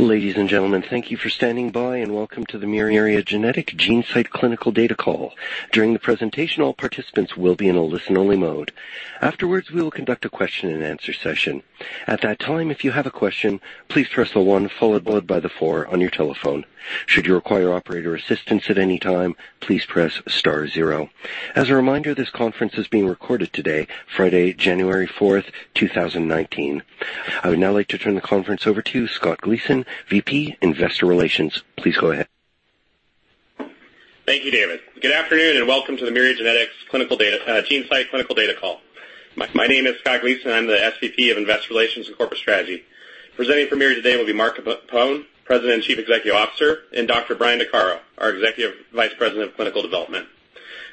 Ladies and gentlemen, thank you for standing by, welcome to the Myriad Genetics GeneSight Clinical Data call. During the presentation, all participants will be in a listen-only mode. Afterwards, we will conduct a question and answer session. At that time, if you have a question, please press one followed by the four on your telephone. Should you require operator assistance at any time, please press star zero. As a reminder, this conference is being recorded today, Friday, January 4th, 2019. I would now like to turn the conference over to Scott Gleason, VP, Investor Relations. Please go ahead. Thank you, David. Good afternoon, welcome to the Myriad Genetics GeneSight Clinical Data call. My name is Scott Gleason. I'm the SVP of Investor Relations and Corporate Strategy. Presenting for Myriad today will be Mark Capone, President and Chief Executive Officer, and Dr. Brian De, our Executive Vice President of Clinical Development.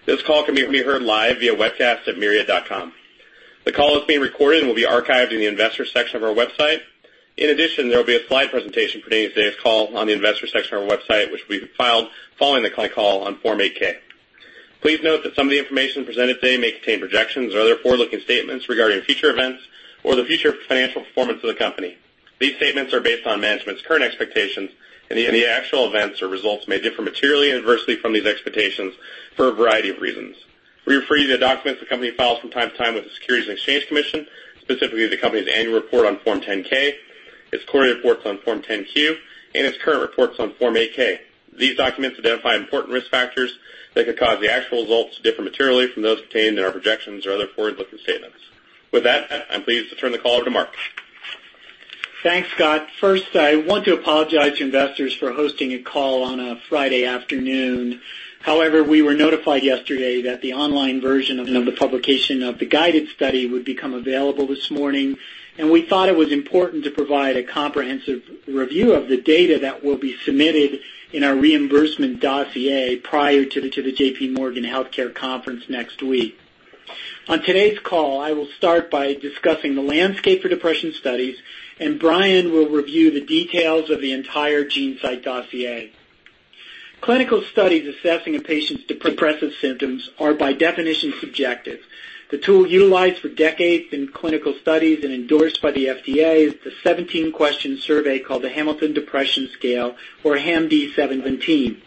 This call can be heard live via webcast at myriad.com. The call is being recorded and will be archived in the investors section of our website. In addition, there will be a slide presentation pertaining to today's call on the investor section of our website, which will be filed following the call on Form 8-K. Please note that some of the information presented today may contain projections or other forward-looking statements regarding future events or the future financial performance of the company. These statements are based on management's current expectations, and the actual events or results may differ materially adversely from these expectations for a variety of reasons. We refer you to the documents the company files from time to time with the Securities and Exchange Commission, specifically the company's annual report on Form 10-K, its quarterly reports on Form 10-Q, and its current reports on Form 8-K. With that, I'm pleased to turn the call over to Mark. Thanks, Scott. First, I want to apologize to investors for hosting a call on a Friday afternoon. We were notified yesterday that the online version of the publication of the GUIDED study would become available this morning, and we thought it was important to provide a comprehensive review of the data that will be submitted in our reimbursement dossier prior to the JPMorgan Healthcare Conference next week. On today's call, I will start by discussing the landscape for depression studies. Brian will review the details of the entire GeneSight dossier. Clinical studies assessing a patient's depressive symptoms are, by definition, subjective. The tool utilized for decades in clinical studies and endorsed by the FDA is the 17-question survey called the Hamilton Depression Rating Scale, or HAM-D17.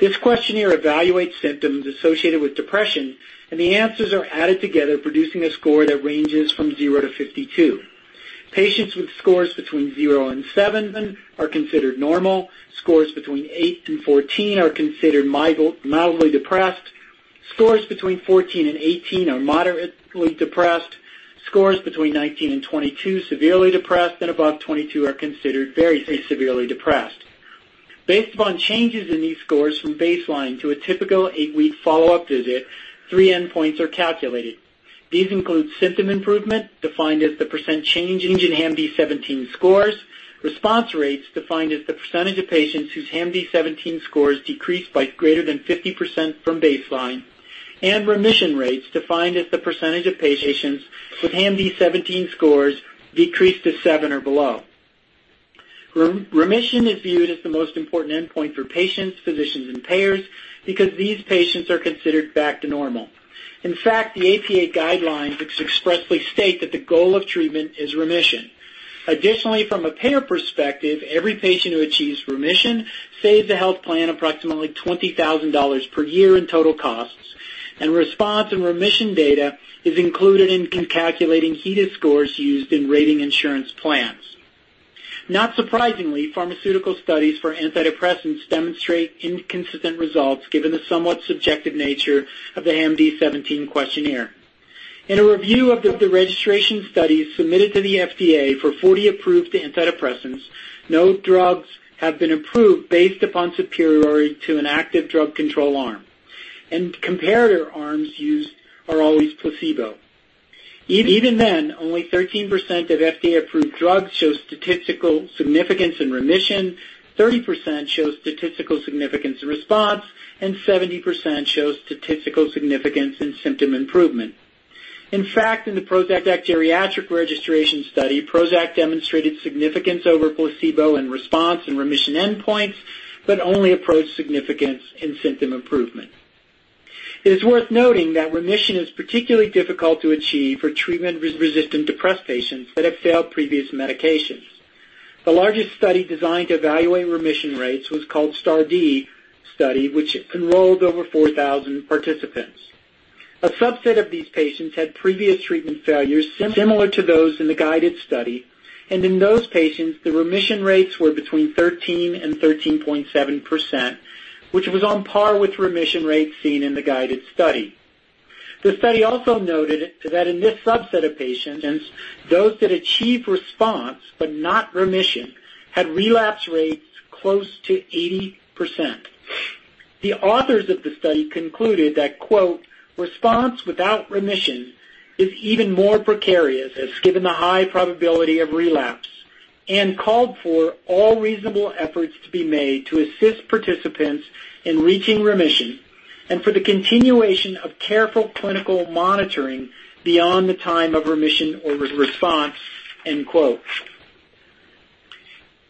This questionnaire evaluates symptoms associated with depression, and the answers are added together, producing a score that ranges from 0-52. Patients with scores between zero and seven are considered normal. Scores between eight and 14 are considered mildly depressed. Scores between 14 and 18 are moderately depressed. Scores between 19 and 22, severely depressed, and above 22 are considered very severely depressed. Based upon changes in these scores from baseline to a typical eight-week follow-up visit, three endpoints are calculated. These include symptom improvement, defined as the percent change in HAM-D17 scores. Response rates defined as the percentage of patients whose HAM-D17 scores decreased by greater than 50% from baseline, and remission rates defined as the percentage of patients with HAM-D17 scores decreased to seven or below. Remission is viewed as the most important endpoint for patients, physicians, and payers because these patients are considered back to normal. In fact, the APA guidelines expressly state that the goal of treatment is remission. Additionally, from a payer perspective, every patient who achieves remission saves the health plan approximately $20,000 per year in total costs, and response and remission data is included in calculating HEDIS scores used in rating insurance plans. Not surprisingly, pharmaceutical studies for antidepressants demonstrate inconsistent results given the somewhat subjective nature of the HAM-D17 questionnaire. In a review of the registration studies submitted to the FDA for 40 approved antidepressants, no drugs have been approved based upon superiority to an active drug control arm, and comparator arms used are always placebo. Even then, only 13% of FDA-approved drugs show statistical significance in remission, 30% show statistical significance in response, and 70% show statistical significance in symptom improvement. In fact, in the Prozac Geriatric registration study, Prozac demonstrated significance over placebo in response and remission endpoints but only approached significance in symptom improvement. It is worth noting that remission is particularly difficult to achieve for treatment-resistant depressed patients that have failed previous medications. The largest study designed to evaluate remission rates was called STAR*D study, which enrolled over 4,000 participants. A subset of these patients had previous treatment failures similar to those in the GUIDED study, and in those patients, the remission rates were between 13% and 13.7%, which was on par with remission rates seen in the GUIDED study. The study also noted that in this subset of patients, those that achieved response but not remission had relapse rates close to 80%. The authors of the study concluded that, quote, "Response without remission is even more precarious as given the high probability of relapse" and called for all reasonable efforts to be made to assist participants in reaching remission and for the continuation of careful clinical monitoring beyond the time of remission or response, end quote.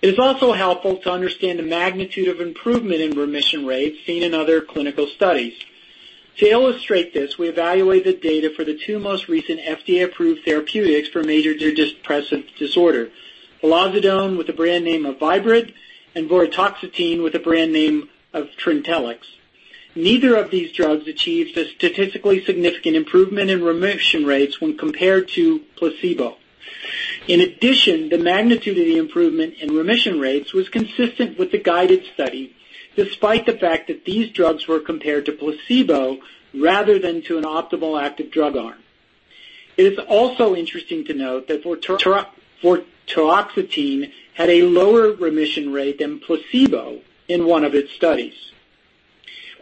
It is also helpful to understand the magnitude of improvement in remission rates seen in other clinical studies. To illustrate this, we evaluate the data for the two most recent FDA-approved therapeutics for major depressive disorder, vilazodone with the brand name of Viibryd and vortioxetine with the brand name of Trintellix. Neither of these drugs achieved a statistically significant improvement in remission rates when compared to placebo. In addition, the magnitude of the improvement in remission rates was consistent with the GUIDED study, despite the fact that these drugs were compared to placebo rather than to an optimal active drug arm. It is also interesting to note that vortioxetine had a lower remission rate than placebo in one of its studies.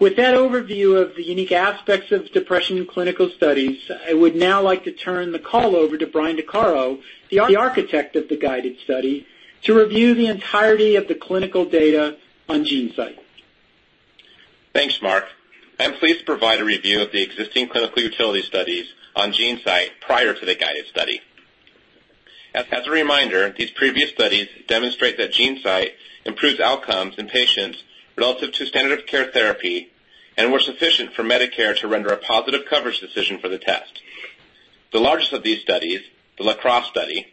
With that overview of the unique aspects of depression in clinical studies, I would now like to turn the call over to Brian Dechairo, the architect of the GUIDED study, to review the entirety of the clinical data on GeneSight. Thanks, Mark. I'm pleased to provide a review of the existing clinical utility studies on GeneSight prior to the GUIDED study. As a reminder, these previous studies demonstrate that GeneSight improves outcomes in patients relative to standard of care therapy and were sufficient for Medicare to render a positive coverage decision for the test. The largest of these studies, the La Crosse study,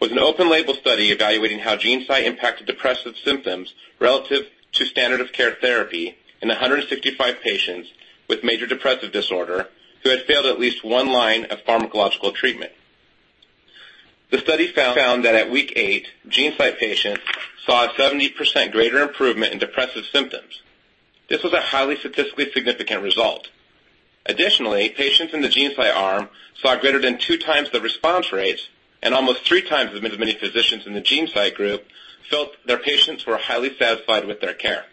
was an open-label study evaluating how GeneSight impacted depressive symptoms relative to standard of care therapy in 165 patients with major depressive disorder xwho had failed at least one line of pharmacological treatment. The study found that at week eight, GeneSight patients saw a 70% greater improvement in depressive symptoms. This was a highly statistically significant result. Additionally, patients in the GeneSight arm saw greater than 2x the response rates and almost 3x as many physicians in the GeneSight group felt their patients were highly satisfied with their care.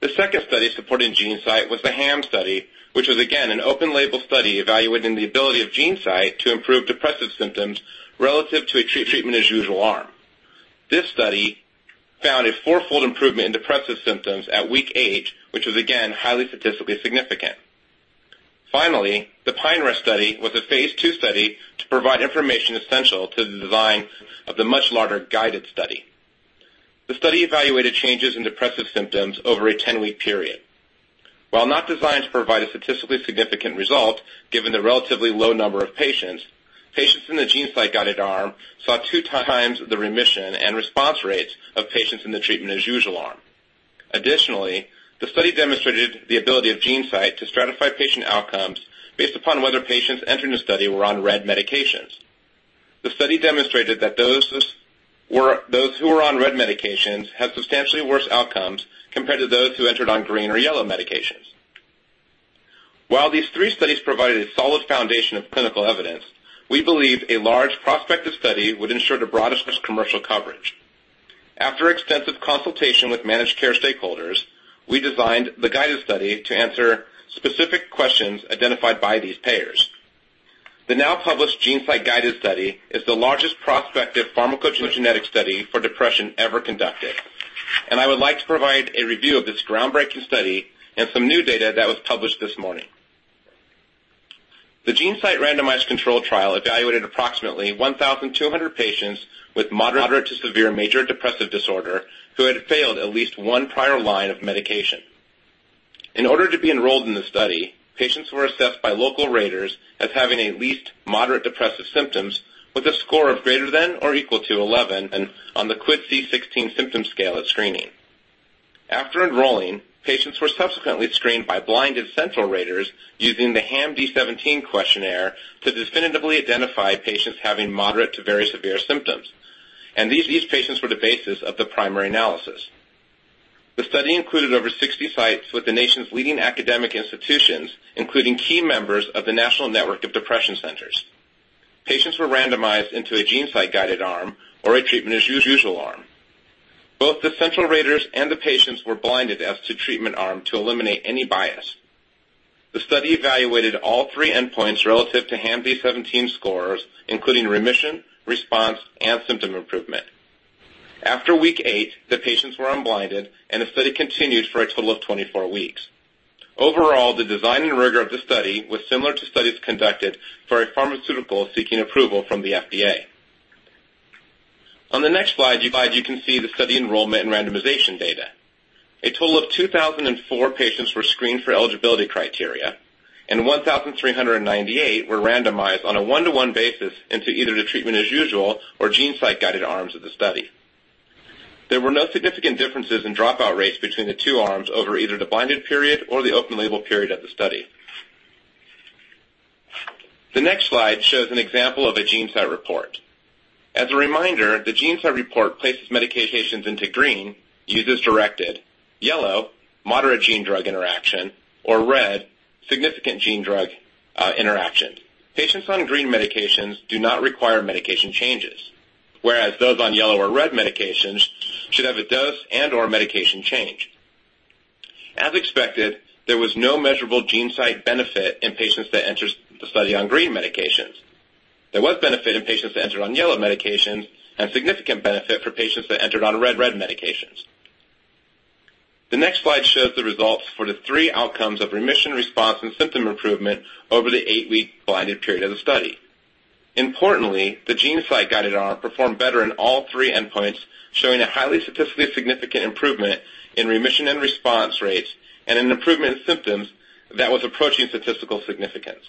The second study supporting GeneSight was the HAM study, which was again an open-label study evaluating the ability of GeneSight to improve depressive symptoms relative to a treatment as usual arm. This study found a four-fold improvement in depressive symptoms at week eight, which was again highly statistically significant. Finally, the Pine Rest study was a phase II study to provide information essential to the design of the much larger GUIDED study. The study evaluated changes in depressive symptoms over a 10-week period. While not designed to provide a statistically significant result, given the relatively low number of patients in the GeneSight-guided arm saw two times the remission and response rates of patients in the treatment as usual arm. Additionally, the study demonstrated the ability of GeneSight to stratify patient outcomes based upon whether patients entering the study were on red medications. The study demonstrated that those who were on red medications had substantially worse outcomes compared to those who entered on green or yellow medications. While these three studies provided a solid foundation of clinical evidence, we believe a large prospective study would ensure the broadest commercial coverage. After extensive consultation with managed care stakeholders, we designed the GUIDED study to answer specific questions identified by these payers. The now published GeneSight GUIDED study is the largest prospective pharmacogenetic study for depression ever conducted, and I would like to provide a review of this groundbreaking study and some new data that was published this morning. The GeneSight randomized control trial evaluated approximately 1,200 patients with moderate to severe major depressive disorder who had failed at least one prior line of medication. In order to be enrolled in the study, patients were assessed by local raters as having at least moderate depressive symptoms with a score of greater than or equal to 11 on the QIDS-C16 symptom scale at screening. After enrolling, patients were subsequently screened by blinded central raters using the HAM-D17 questionnaire to definitively identify patients having moderate to very severe symptoms, and these patients were the basis of the primary analysis. The study included over 60 sites with the nation's leading academic institutions, including key members of the National Network of Depression Centers. Patients were randomized into a GeneSight-guided arm or a treatment as usual arm. Both the central raters and the patients were blinded as to treatment arm to eliminate any bias. The study evaluated all three endpoints relative to HAM-D17 scores, including remission, response, and symptom improvement. After week eight, the patients were unblinded, and the study continued for a total of 24 weeks. Overall, the design and rigor of the study was similar to studies conducted for a pharmaceutical seeking approval from the FDA. On the next slide, you can see the study enrollment and randomization data. A total of 2,004 patients were screened for eligibility criteria, and 1,398 were randomized on a one-to-one basis into either the treatment as usual or GeneSight-guided arms of the study. There were no significant differences in dropout rates between the two arms over either the blinded period or the open-label period of the study. The next slide shows an example of a GeneSight report. As a reminder, the GeneSight report places medications into green, use as directed; yellow, moderate gene-drug interaction; or red, significant gene-drug interaction. Patients on green medications do not require medication changes, whereas those on yellow or red medications should have a dose and/or medication change. As expected, there was no measurable GeneSight benefit in patients that entered the study on green medications. There was benefit in patients that entered on yellow medications and significant benefit for patients that entered on red medications. The next slide shows the results for the three outcomes of remission, response, and symptom improvement over the eight-week blinded period of the study. Importantly, the GeneSight-guided arm performed better in all three endpoints, showing a highly statistically significant improvement in remission and response rates and an improvement in symptoms that was approaching statistical significance.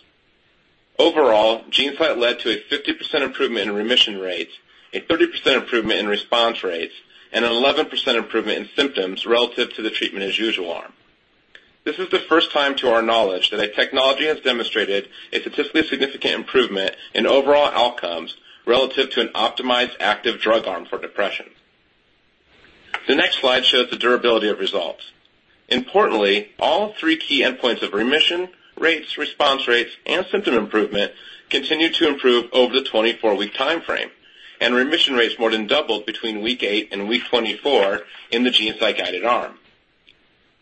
Overall, GeneSight led to a 50% improvement in remission rates, a 30% improvement in response rates, and an 11% improvement in symptoms relative to the treatment as usual arm. This is the first time, to our knowledge, that a technology has demonstrated a statistically significant improvement in overall outcomes relative to an optimized active drug arm for depression. The next slide shows the durability of results. Importantly, all three key endpoints of remission rates, response rates, and symptom improvement continued to improve over the 24-week timeframe, and remission rates more than doubled between week eight and week 24 in the GeneSight-guided arm.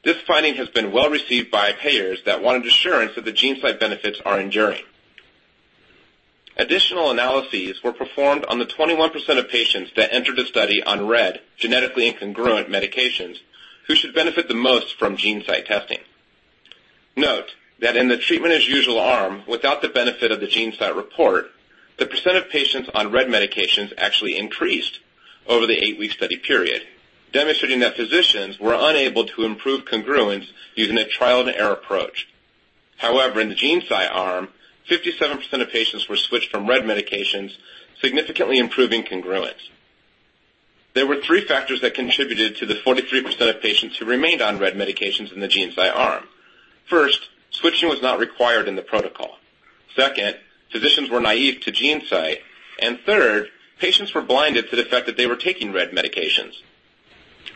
This finding has been well-received by payers that wanted assurance that the GeneSight benefits are enduring. Additional analyses were performed on the 21% of patients that entered the study on RED, genetically incongruent medications, who should benefit the most from GeneSight testing. Note that in the treatment as usual arm, without the benefit of the GeneSight report, the percent of patients on RED medications actually increased over the eight-week study period, demonstrating that physicians were unable to improve congruence using a trial-and-error approach. In the GeneSight arm, 57% of patients were switched from RED medications, significantly improving congruence. There were three factors that contributed to the 43% of patients who remained on RED medications in the GeneSight arm. First, switching was not required in the protocol. Second, physicians were naive to GeneSight. Third, patients were blinded to the fact that they were taking RED medications.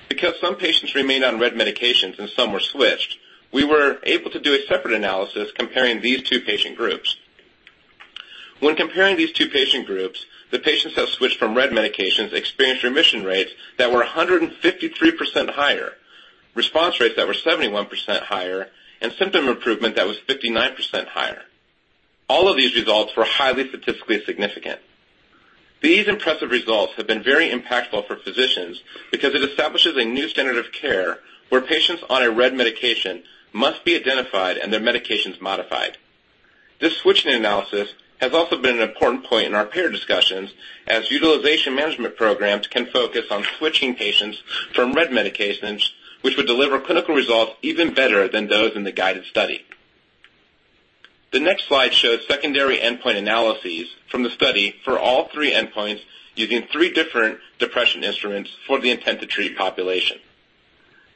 Because some patients remained on RED medications and some were switched, we were able to do a separate analysis comparing these two patient groups. When comparing these two patient groups, the patients that switched from RED medications experienced remission rates that were 153% higher, response rates that were 71% higher, and symptom improvement that was 59% higher. All of these results were highly statistically significant. These impressive results have been very impactful for physicians because it establishes a new standard of care where patients on a RED medication must be identified and their medications modified. This switching analysis has also been an important point in our payer discussions, as utilization management programs can focus on switching patients from RED medications, which would deliver clinical results even better than those in the GUIDED study. The next slide shows secondary endpoint analyses from the study for all three endpoints using three different depression instruments for the intent to treat population.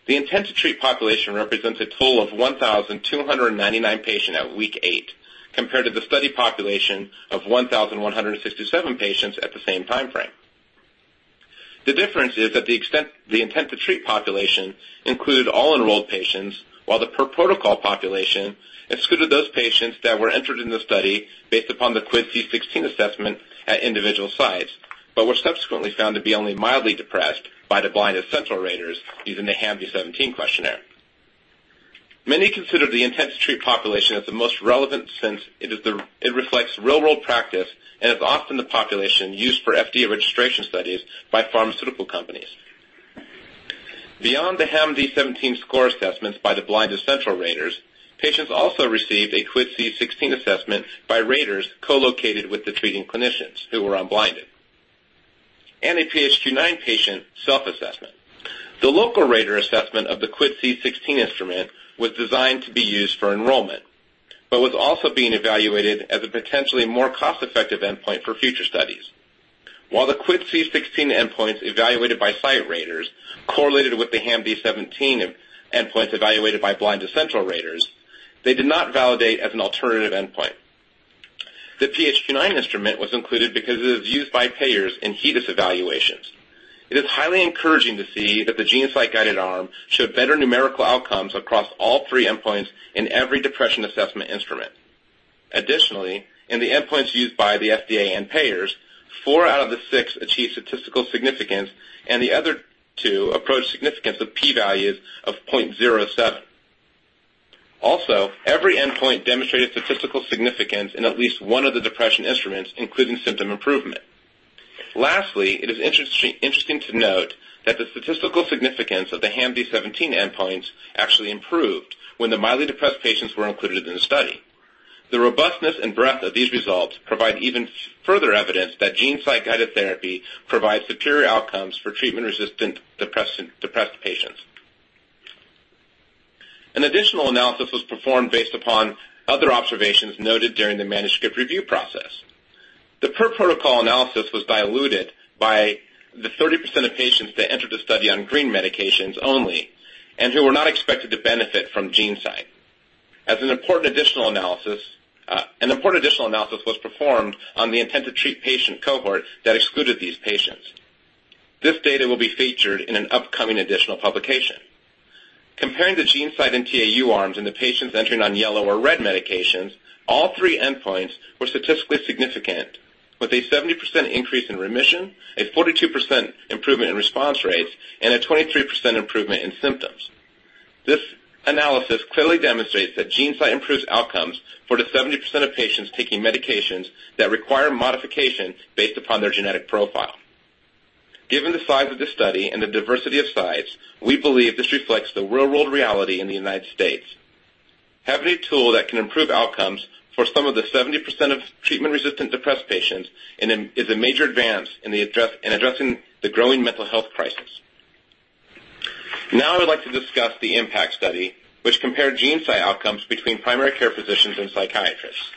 The intent to treat population represents a total of 1,299 patients at week eight, compared to the study population of 1,167 patients at the same timeframe. The difference is that the intent to treat population included all enrolled patients, while the per-protocol population excluded those patients that were entered in the study based upon the QIDS-C16 assessment at individual sites, but were subsequently found to be only mildly depressed by the blind central raters using the HAM-D17 questionnaire. Many consider the intent to treat population as the most relevant since it reflects real-world practice and is often the population used for FDA registration studies by pharmaceutical companies. Beyond the HAM-D17 score assessments by the blind central raters, patients also received a QIDS-C16 assessment by raters co-located with the treating clinicians who were unblinded, and a PHQ-9 patient self-assessment. The local rater assessment of the QIDS-C16 instrument was designed to be used for enrollment, but was also being evaluated as a potentially more cost-effective endpoint for future studies. While the QIDS-C16 endpoints evaluated by site raters correlated with the HAM-D17 endpoints evaluated by blind central raters, they did not validate as an alternative endpoint. The PHQ-9 instrument was included because it is used by payers in HEDIS evaluations. It is highly encouraging to see that the GeneSight-guided arm showed better numerical outcomes across all three endpoints in every depression assessment instrument. Additionally, in the endpoints used by the FDA and payers, four out of the six achieved statistical significance, and the other two approached significance of P values of .07. Every endpoint demonstrated statistical significance in at least one of the depression instruments, including symptom improvement. Lastly, it is interesting to note that the statistical significance of the HAM-D17 endpoints actually improved when the mildly depressed patients were included in the study. The robustness and breadth of these results provide even further evidence that GeneSight guided therapy provides superior outcomes for treatment-resistant depressed patients. An additional analysis was performed based upon other observations noted during the manuscript review process. The per-protocol analysis was diluted by the 30% of patients that entered the study on green medications only and who were not expected to benefit from GeneSight. An important additional analysis was performed on the intent to treat patient cohort that excluded these patients. This data will be featured in an upcoming additional publication. Comparing the GeneSight and TAU arms in the patients entering on yellow or red medications, all three endpoints were statistically significant, with a 70% increase in remission, a 42% improvement in response rates, and a 23% improvement in symptoms. This analysis clearly demonstrates that GeneSight improves outcomes for the 70% of patients taking medications that require modification based upon their genetic profile. Given the size of the study and the diversity of size, we believe this reflects the real-world reality in the U.S. Having a tool that can improve outcomes for some of the 70% of treatment-resistant depressed patients is a major advance in addressing the growing mental health crisis. Now I would like to discuss the IMPACT study, which compared GeneSight outcomes between primary care physicians and psychiatrists.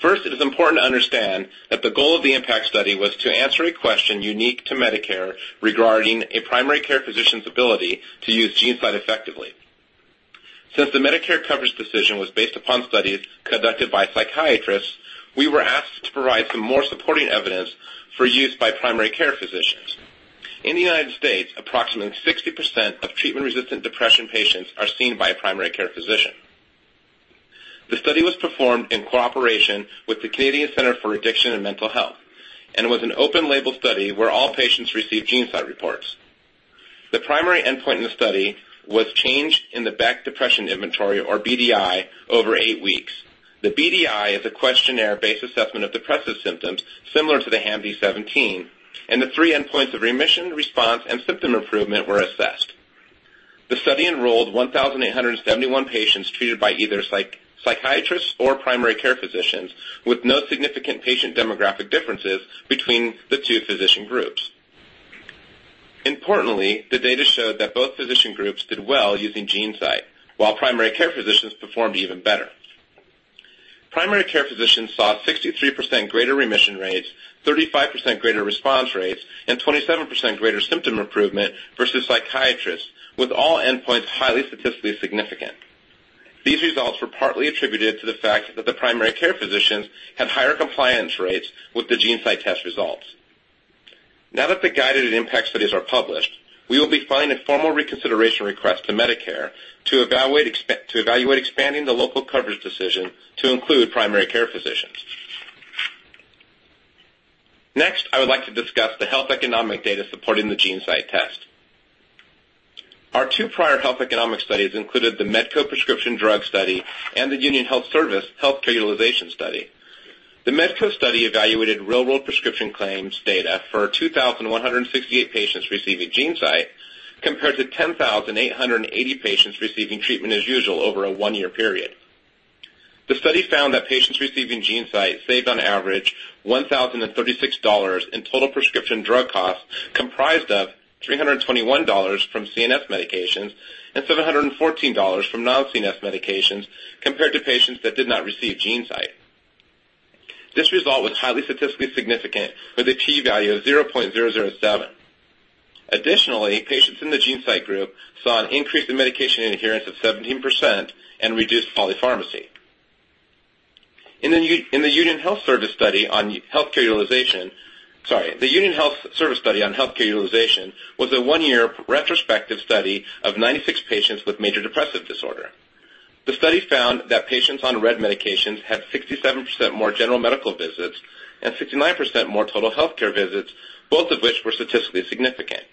First, it is important to understand that the goal of the IMPACT study was to answer a question unique to Medicare regarding a primary care physician's ability to use GeneSight effectively. Since the Medicare coverage decision was based upon studies conducted by psychiatrists, we were asked to provide some more supporting evidence for use by primary care physicians. In the U.S., approximately 60% of treatment-resistant depression patients are seen by a primary care physician. The study was performed in cooperation with the Canadian Centre for Addiction and Mental Health, and was an open label study where all patients received GeneSight reports. The primary endpoint in the study was change in the Beck Depression Inventory, or BDI, over eight weeks. The BDI is a questionnaire-based assessment of depressive symptoms similar to the HAM-D17, and the three endpoints of remission, response, and symptom improvement were assessed. The study enrolled 1,871 patients treated by either psychiatrists or primary care physicians, with no significant patient demographic differences between the two physician groups. Importantly, the data showed that both physician groups did well using GeneSight, while primary care physicians performed even better. Primary care physicians saw 63% greater remission rates, 35% greater response rates, and 27% greater symptom improvement versus psychiatrists, with all endpoints highly statistically significant. These results were partly attributed to the fact that the primary care physicians had higher compliance rates with the GeneSight test results. Now that the GUIDED and IMPACT studies are published, we will be filing a formal reconsideration request to Medicare to evaluate expanding the local coverage decision to include primary care physicians. Next, I would like to discuss the health economic data supporting the GeneSight test. Our two prior health economic studies included the Medco Prescription Drug Study and the Union Health Service Healthcare Utilization Study. The Medco study evaluated real-world prescription claims data for 2,168 patients receiving GeneSight, compared to 10,880 patients receiving treatment as usual over a one-year period. The study found that patients receiving GeneSight saved, on average, $1,036 in total prescription drug costs, comprised of $321 from CNS medications and $714 from non-CNS medications, compared to patients that did not receive GeneSight. This result was highly statistically significant with a p-value of 0.007. Additionally, patients in the GeneSight group saw an increase in medication adherence of 17% and reduced polypharmacy. The Union Health Service study on healthcare utilization was a one-year retrospective study of 96 patients with major depressive disorder. The study found that patients on red medications had 67% more general medical visits and 69% more total healthcare visits, both of which were statistically significant.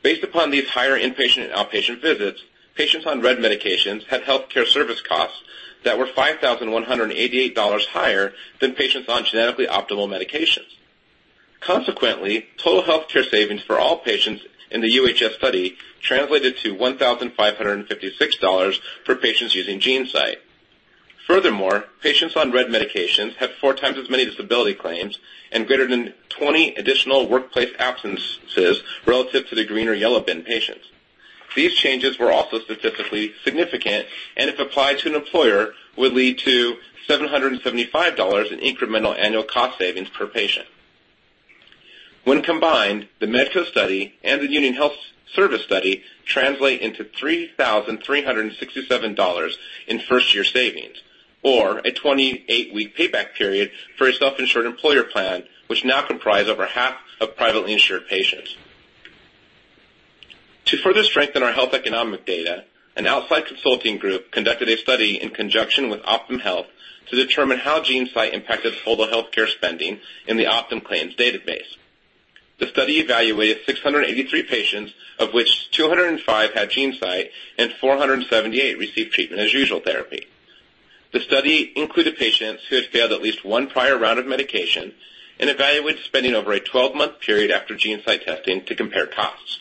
Based upon these higher inpatient and outpatient visits, patients on red medications had healthcare service costs that were $5,188 higher than patients on genetically optimal medications. Consequently, total healthcare savings for all patients in the UHS study translated to $1,556 for patients using GeneSight. Furthermore, patients on red medications had four times as many disability claims and greater than 20 additional workplace absences relative to the green or yellow bin patients. These changes were also statistically significant, and if applied to an employer, would lead to $775 in incremental annual cost savings per patient. When combined, the Medco study and the Union Health Service study translate into $3,367 in first-year savings, or a 28-week payback period for a self-insured employer plan, which now comprise over half of privately insured patients. To further strengthen our health economic data, an outside consulting group conducted a study in conjunction with Optum Health to determine how GeneSight impacted total healthcare spending in the Optum claims database. The study evaluated 683 patients, of which 205 had GeneSight and 478 received treatment as usual therapy. The study included patients who had failed at least one prior round of medication and evaluated spending over a 12-month period after GeneSight testing to compare costs.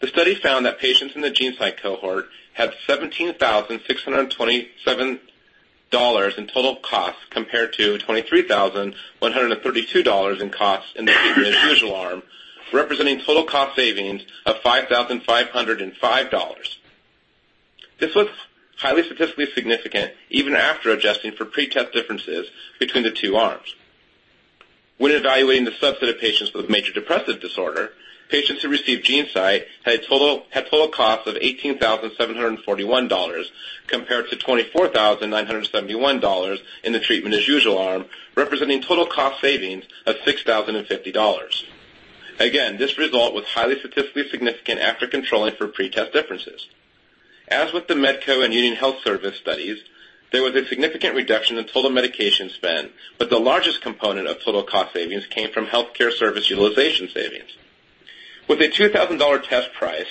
The study found that patients in the GeneSight cohort had $17,627 in total costs, compared to $23,132 in costs in the treatment as usual arm, representing total cost savings of $5,505. This was highly statistically significant, even after adjusting for pretest differences between the two arms. When evaluating the subset of patients with major depressive disorder, patients who received GeneSight had total costs of $18,741, compared to $24,971 in the treatment as usual arm, representing total cost savings of $6,050. This result was highly statistically significant after controlling for pretest differences. As with the Medco and Union Health Service studies, there was a significant reduction in total medication spend, but the largest component of total cost savings came from healthcare service utilization savings. With a $2,000 test price,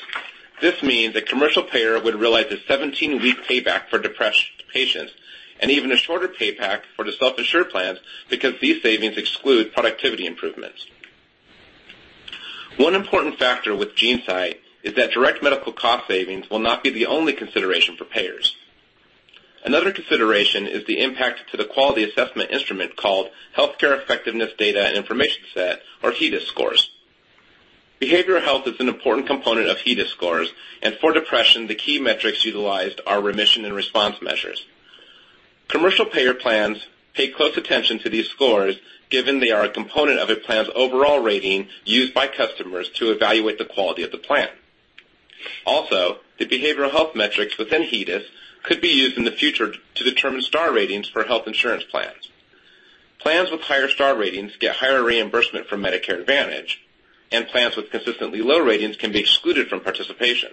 this means a commercial payer would realize a 17-week payback for depressed patients and even a shorter payback for the self-insured plans because these savings exclude productivity improvements. One important factor with GeneSight is that direct medical cost savings will not be the only consideration for payers. Another consideration is the impact to the quality assessment instrument called Healthcare Effectiveness Data and Information Set, or HEDIS scores. Behavioral health is an important component of HEDIS scores, and for depression, the key metrics utilized are remission and response measures. Commercial payer plans pay close attention to these scores, given they are a component of a plan's overall rating used by customers to evaluate the quality of the plan. The behavioral health metrics within HEDIS could be used in the future to determine star ratings for health insurance plans. Plans with higher star ratings get higher reimbursement from Medicare Advantage, and plans with consistently low ratings can be excluded from participation.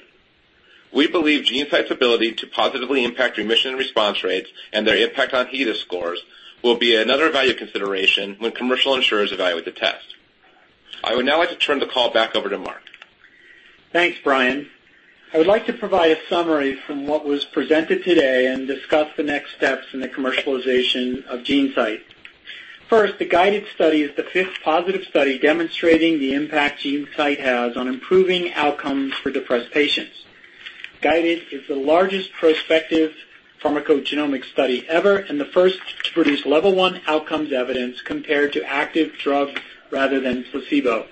We believe GeneSight's ability to positively impact remission and response rates and their impact on HEDIS scores will be another value consideration when commercial insurers evaluate the test. I would now like to turn the call back over to Mark. Thanks, Brian. I would like to provide a summary from what was presented today and discuss the next steps in the commercialization of GeneSight. The GUIDED study is the fifth positive study demonstrating the impact GeneSight has on improving outcomes for depressed patients. GUIDED is the largest prospective pharmacogenomic study ever, and the first to produce level one outcomes evidence compared to active drugs rather than placebo.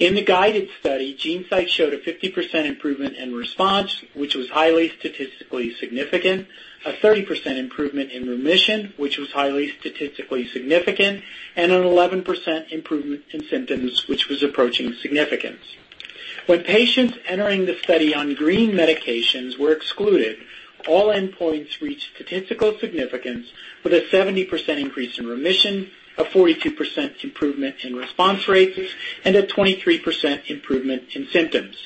In the GUIDED study, GeneSight showed a 50% improvement in response, which was highly statistically significant, a 30% improvement in remission, which was highly statistically significant, and an 11% improvement in symptoms, which was approaching significance. When patients entering the study on green medications were excluded, all endpoints reached statistical significance with a 70% increase in remission, a 42% improvement in response rates, and a 23% improvement in symptoms.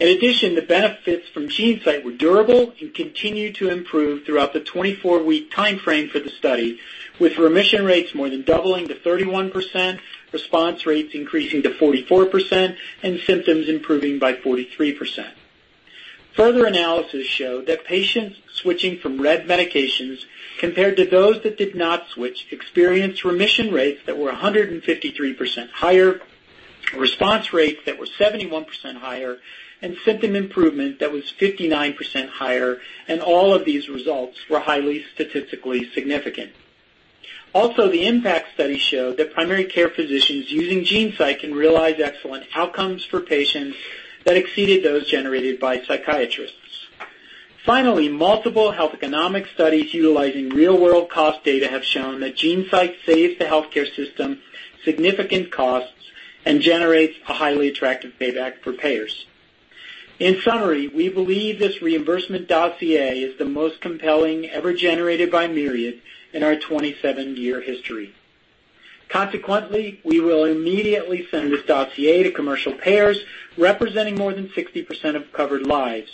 The benefits from GeneSight were durable and continued to improve throughout the 24-week timeframe for the study, with remission rates more than doubling to 31%, response rates increasing to 44%, and symptoms improving by 43%. Further analysis showed that patients switching from red medications, compared to those that did not switch, experienced remission rates that were 153% higher, response rates that were 71% higher, and symptom improvement that was 59% higher, and all of these results were highly statistically significant. The IMPACT study showed that primary care physicians using GeneSight can realize excellent outcomes for patients that exceeded those generated by psychiatrists. Multiple health economic studies utilizing real-world cost data have shown that GeneSight saves the healthcare system significant costs and generates a highly attractive payback for payers. In summary, we believe this reimbursement dossier is the most compelling ever generated by Myriad in our 27-year history. Consequently, we will immediately send this dossier to commercial payers representing more than 60% of covered lives.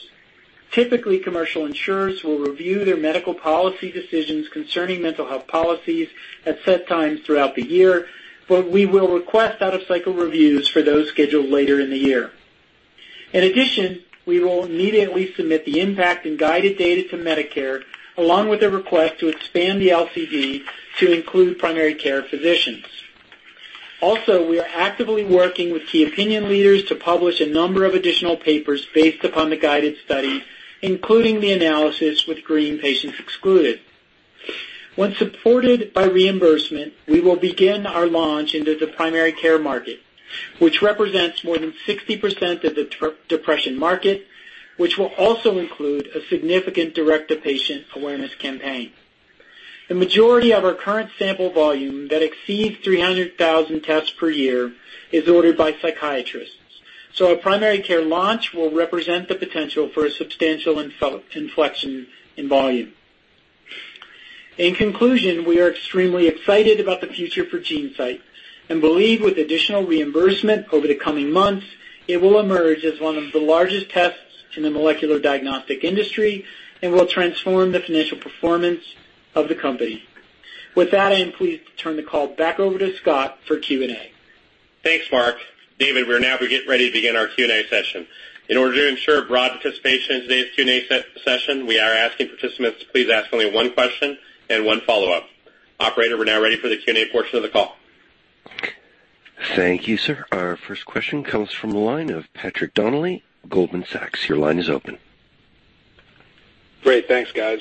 Typically, commercial insurers will review their medical policy decisions concerning mental health policies at set times throughout the year, but we will request out-of-cycle reviews for those scheduled later in the year. In addition, we will immediately submit the IMPACT and GUIDED data to Medicare, along with a request to expand the LCD to include primary care physicians. Also, we are actively working with key opinion leaders to publish a number of additional papers based upon the GUIDED study, including the analysis with green patients excluded. Once supported by reimbursement, we will begin our launch into the primary care market, which represents more than 60% of the depression market, which will also include a significant direct-to-patient awareness campaign. The majority of our current sample volume, that exceeds 300,000 tests per year, is ordered by psychiatrists, so our primary care launch will represent the potential for a substantial inflection in volume. In conclusion, we are extremely excited about the future for GeneSight and believe with additional reimbursement over the coming months, it will emerge as one of the largest tests in the molecular diagnostic industry and will transform the financial performance of the company. With that, I am pleased to turn the call back over to Scott for Q&A. Thanks, Mark. David, we are now getting ready to begin our Q&A session. In order to ensure broad participation in today's Q&A session, we are asking participants to please ask only one question and one follow-up. Operator, we are now ready for the Q&A portion of the call. Thank you, sir. Our first question comes from the line of Patrick Donnelly, Goldman Sachs. Your line is open. Great. Thanks, guys.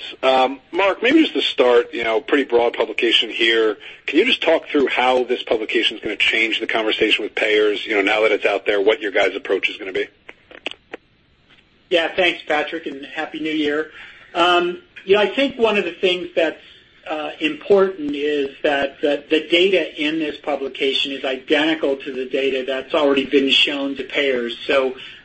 Mark, maybe just to start, pretty broad publication here. Can you just talk through how this publication's going to change the conversation with payers, now that it's out there, what your guys' approach is going to be? Yeah. Thanks, Patrick. Happy New Year. I think one of the things that's important is that the data in this publication is identical to the data that's already been shown to payers.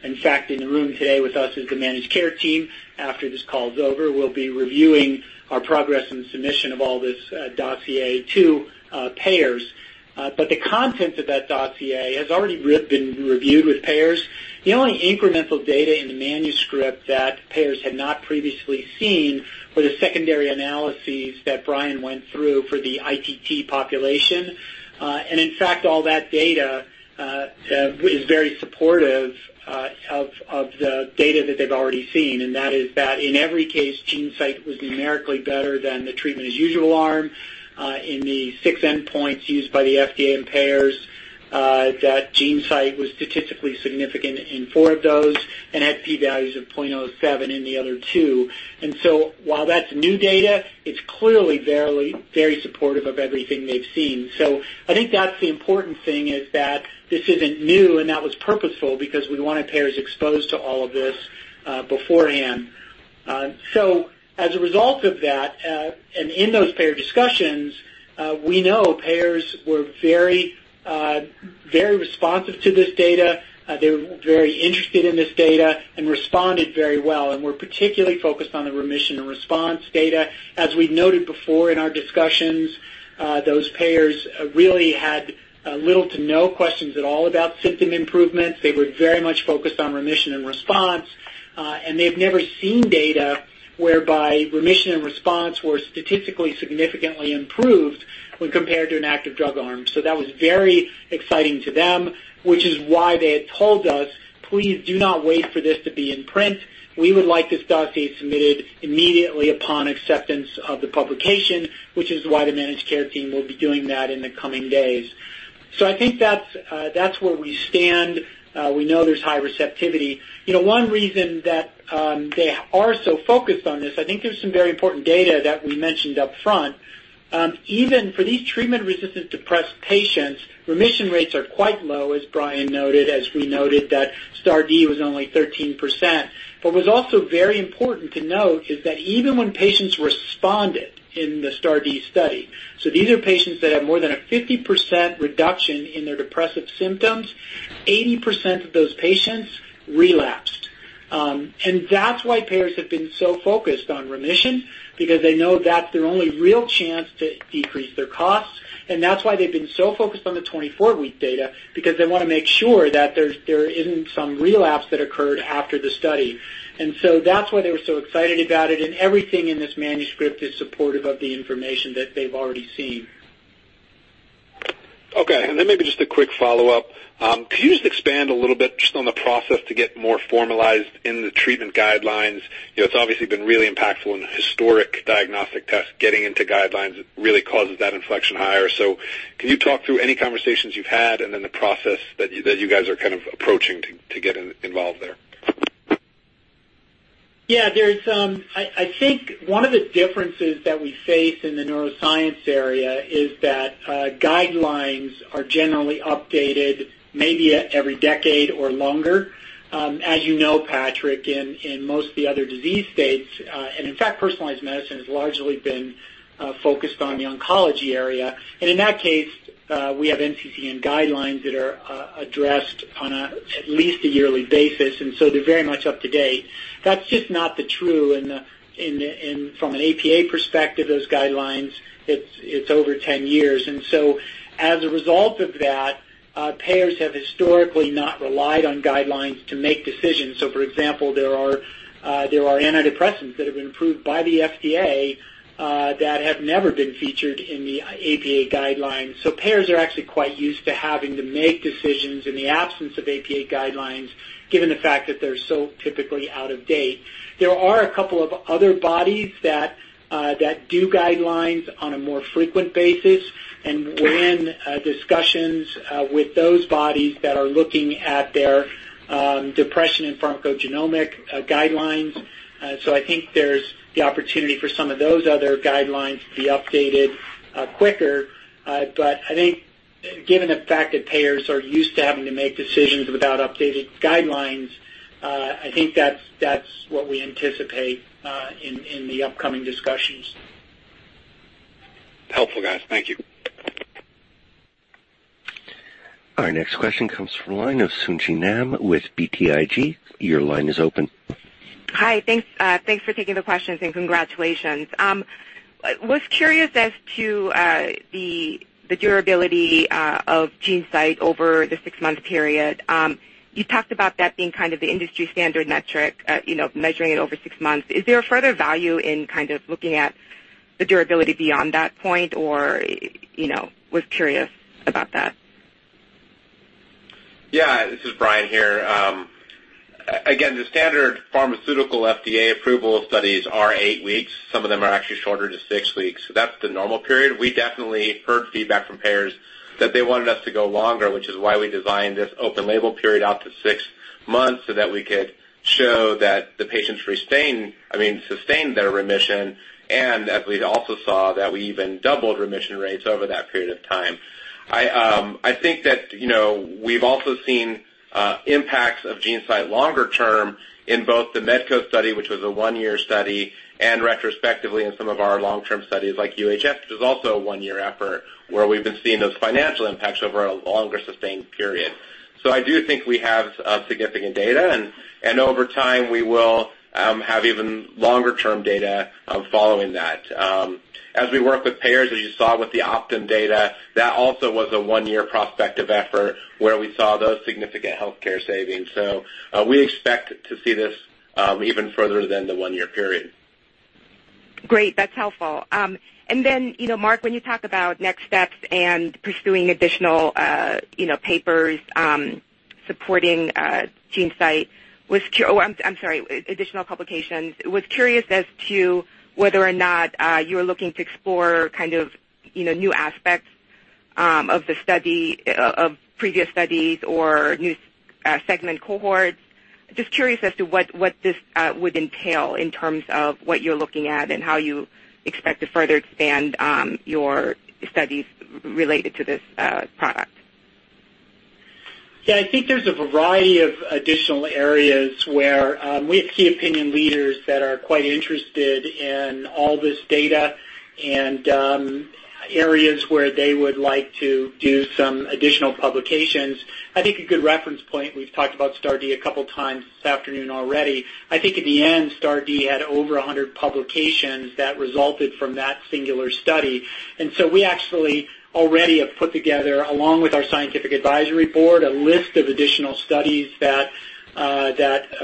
In fact, in the room today with us is the managed care team. After this call's over, we'll be reviewing our progress and submission of all this dossier to payers. The content of that dossier has already been reviewed with payers. The only incremental data in the manuscript that payers had not previously seen were the secondary analyses that Brian went through for the ITT population. In fact, all that data is very supportive of the data that they've already seen, and that is that in every case, GeneSight was numerically better than the treatment as usual arm. In the six endpoints used by the FDA and payers, GeneSight was statistically significant in four of those and had P values of 0.07 in the other two. While that's new data, it's clearly very supportive of everything they've seen. I think that's the important thing is that this isn't new, and that was purposeful because we wanted payers exposed to all of this beforehand. As a result of that, and in those payer discussions, we know payers were very responsive to this data. They were very interested in this data and responded very well. Were particularly focused on the remission and response data. As we'd noted before in our discussions, those payers really had little to no questions at all about symptom improvements. They were very much focused on remission and response. They've never seen data whereby remission and response were statistically significantly improved when compared to an active drug arm. That was very exciting to them, which is why they had told us, "Please do not wait for this to be in print. We would like this dossier submitted immediately upon acceptance of the publication," which is why the managed care team will be doing that in the coming days. I think that's where we stand. We know there's high receptivity. One reason that they are so focused on this, I think there's some very important data that we mentioned up front. Even for these treatment-resistant depressed patients, remission rates are quite low, as Brian noted, as we noted, that STAR*D was only 13%. What's also very important to note is that even when patients responded in the STAR*D study, so these are patients that have more than a 50% reduction in their depressive symptoms, 80% of those patients relapsed. That's why payers have been so focused on remission, because they know that's their only real chance to decrease their costs. That's why they've been so focused on the 24-week data because they want to make sure that there isn't some relapse that occurred after the study. That's why they were so excited about it. Everything in this manuscript is supportive of the information that they've already seen. Okay. Maybe just a quick follow-up. Could you just expand a little bit just on the process to get more formalized in the treatment guidelines? It's obviously been really impactful in historic diagnostic tests. Getting into guidelines really causes that inflection higher. Can you talk through any conversations you've had and then the process that you guys are kind of approaching to get involved there? Yeah. I think one of the differences that we face in the neuroscience area is that guidelines are generally updated maybe every decade or longer. As you know, Patrick, in most of the other disease states, in fact, personalized medicine has largely been focused on the oncology area. In that case, we have NCCN guidelines that are addressed on at least a yearly basis, and so they're very much up to date. That's just not the true from an APA perspective, those guidelines. It's over 10 years. As a result of that, payers have historically not relied on guidelines to make decisions. For example, there are antidepressants that have been approved by the FDA, that have never been featured in the APA guidelines. Payers are actually quite used to having to make decisions in the absence of APA guidelines, given the fact that they're so typically out of date. There are a couple of other bodies that do guidelines on a more frequent basis. We're in discussions with those bodies that are looking at their depression and pharmacogenomic guidelines. I think there's the opportunity for some of those other guidelines to be updated quicker. I think given the fact that payers are used to having to make decisions without updated guidelines, I think that's what we anticipate in the upcoming discussions. Helpful, guys. Thank you. Our next question comes from the line of Sung Ji Nam with BTIG. Your line is open. Hi. Thanks for taking the questions and congratulations. Was curious as to the durability of GeneSight over the six-month period. You talked about that being kind of the industry standard metric, measuring it over six months. Is there a further value in kind of looking at the durability beyond that point? Was curious about that. Yeah. This is Brian here. Again, the standard pharmaceutical FDA approval studies are eight weeks. Some of them are actually shorter to six weeks. That's the normal period. We definitely heard feedback from payers that they wanted us to go longer, which is why we designed this open label period out to six months so that we could show that the patients sustain their remission. As we also saw that we even doubled remission rates over that period of time. I think that we've also seen impacts of GeneSight longer-term in both the Medco study, which was a one-year study, and retrospectively in some of our long-term studies like UHS, which is also a one-year effort, where we've been seeing those financial impacts over a longer sustained period. I do think we have significant data, and over time, we will have even longer-term data following that. As we work with payers, as you saw with the Optum data, that also was a one-year prospective effort where we saw those significant healthcare savings. We expect to see this even further than the one-year period. Great. That's helpful. Mark, when you talk about next steps and pursuing additional publications supporting GeneSight, I was curious as to whether or not you were looking to explore new aspects of previous studies or new segment cohorts. Just curious as to what this would entail in terms of what you're looking at and how you expect to further expand your studies related to this product. Yeah, I think there's a variety of additional areas where we have key opinion leaders that are quite interested in all this data and areas where they would like to do some additional publications. I think a good reference point, we've talked about STAR*D a couple of times this afternoon already. I think in the end, STAR*D had over 100 publications that resulted from that singular study. We actually already have put together, along with our scientific advisory board, a list of additional studies that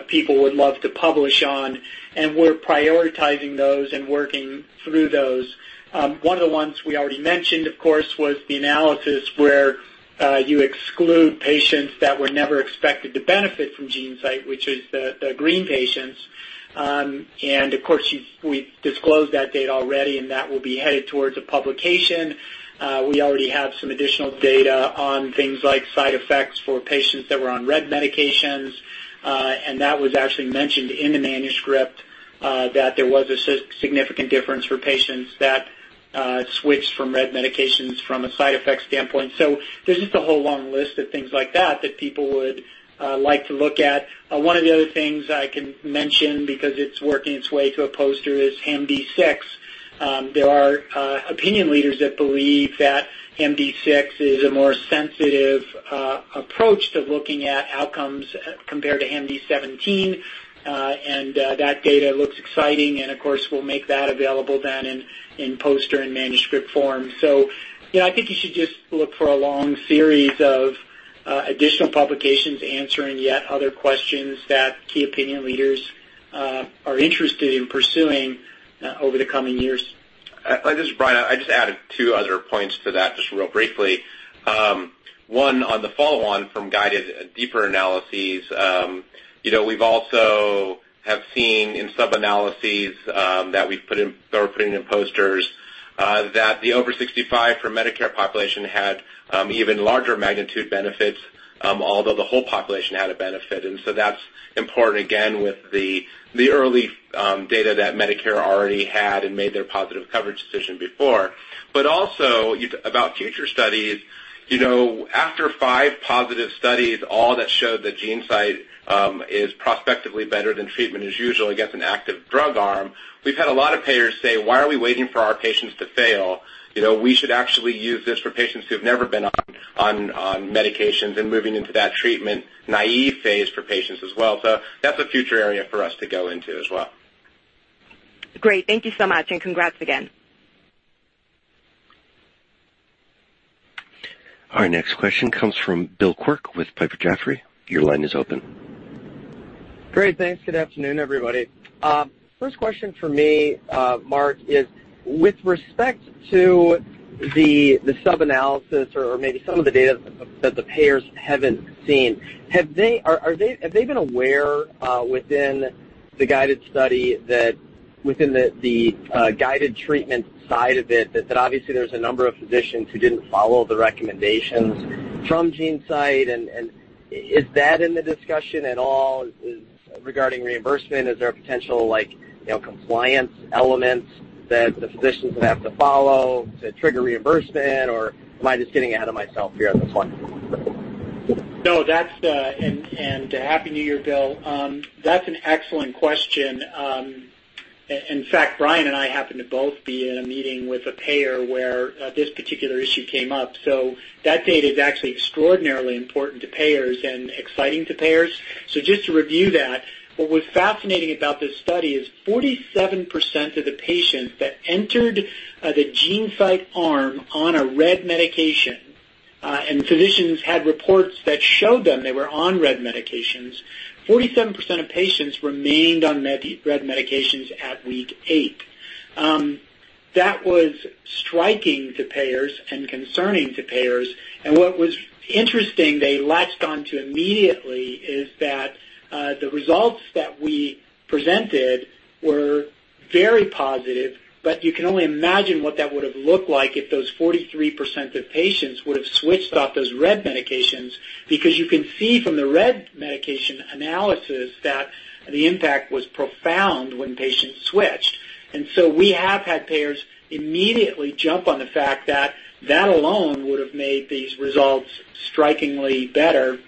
people would love to publish on, and we're prioritizing those and working through those. One of the ones we already mentioned, of course, was the analysis where you exclude patients that were never expected to benefit from GeneSight, which is the green patients. Of course, we've disclosed that data already, and that will be headed towards a publication. We already have some additional data on things like side effects for patients that were on RED medications. That was actually mentioned in the manuscript, that there was a significant difference for patients that switched from RED medications from a side effects standpoint. There's just a whole long list of things like that people would like to look at. One of the other things I can mention, because it's working its way to a poster, is HAMD6. There are opinion leaders that believe that HAMD6 is a more sensitive approach to looking at outcomes compared to HAMD17. That data looks exciting, and of course, we'll make that available then in poster and manuscript form. Yeah, I think you should just look for a long series of additional publications answering yet other questions that key opinion leaders are interested in pursuing over the coming years. This is Brian. I'd just add two other points to that, just real briefly. One, on the follow-on from GUIDED deeper analyses. We've also seen in sub-analyses that we're putting in posters that the over 65 for Medicare population had even larger magnitude benefits, although the whole population had a benefit. That's important, again, with the early data that Medicare already had and made their positive coverage decision before. Also, about future studies. After five positive studies, all that showed that GeneSight is prospectively better than treatment as usual against an active drug arm, we've had a lot of payers say, "Why are we waiting for our patients to fail? We should actually use this for patients who have never been on medications and moving into that treatment-naive phase for patients as well." That's a future area for us to go into as well. Great. Thank you so much, and congrats again. Our next question comes from Bill Quirk with Piper Jaffray. Your line is open. Great. Thanks. Good afternoon, everybody. First question from me, Mark, is with respect to the sub-analysis or maybe some of the data that the payers haven't seen, have they been aware within the GUIDED study, within the GUIDED treatment side of it, that obviously there's a number of physicians who didn't follow the recommendations from GeneSight? Is that in the discussion at all regarding reimbursement? Is there a potential compliance element that the physicians would have to follow to trigger reimbursement? Am I just getting ahead of myself here on this one? No. Happy New Year, Bill. That's an excellent question. In fact, Brian and I happened to both be in a meeting with a payer where this particular issue came up. That data is actually extraordinarily important to payers and exciting to payers. Just to review that, what was fascinating about this study is 47% of the patients that entered the GeneSight arm on a RED medication, and physicians had reports that showed them they were on RED medications, 47% of patients remained on RED medications at week eight. That was striking to payers and concerning to payers. What was interesting, they latched onto immediately, is that the results that we presented were very positive, but you can only imagine what that would have looked like if those 43% of patients would have switched off those RED medications. You can see from the RED medication analysis that the impact was profound when patients switched. We have had payers immediately jump on the fact that that alone would have made these results strikingly better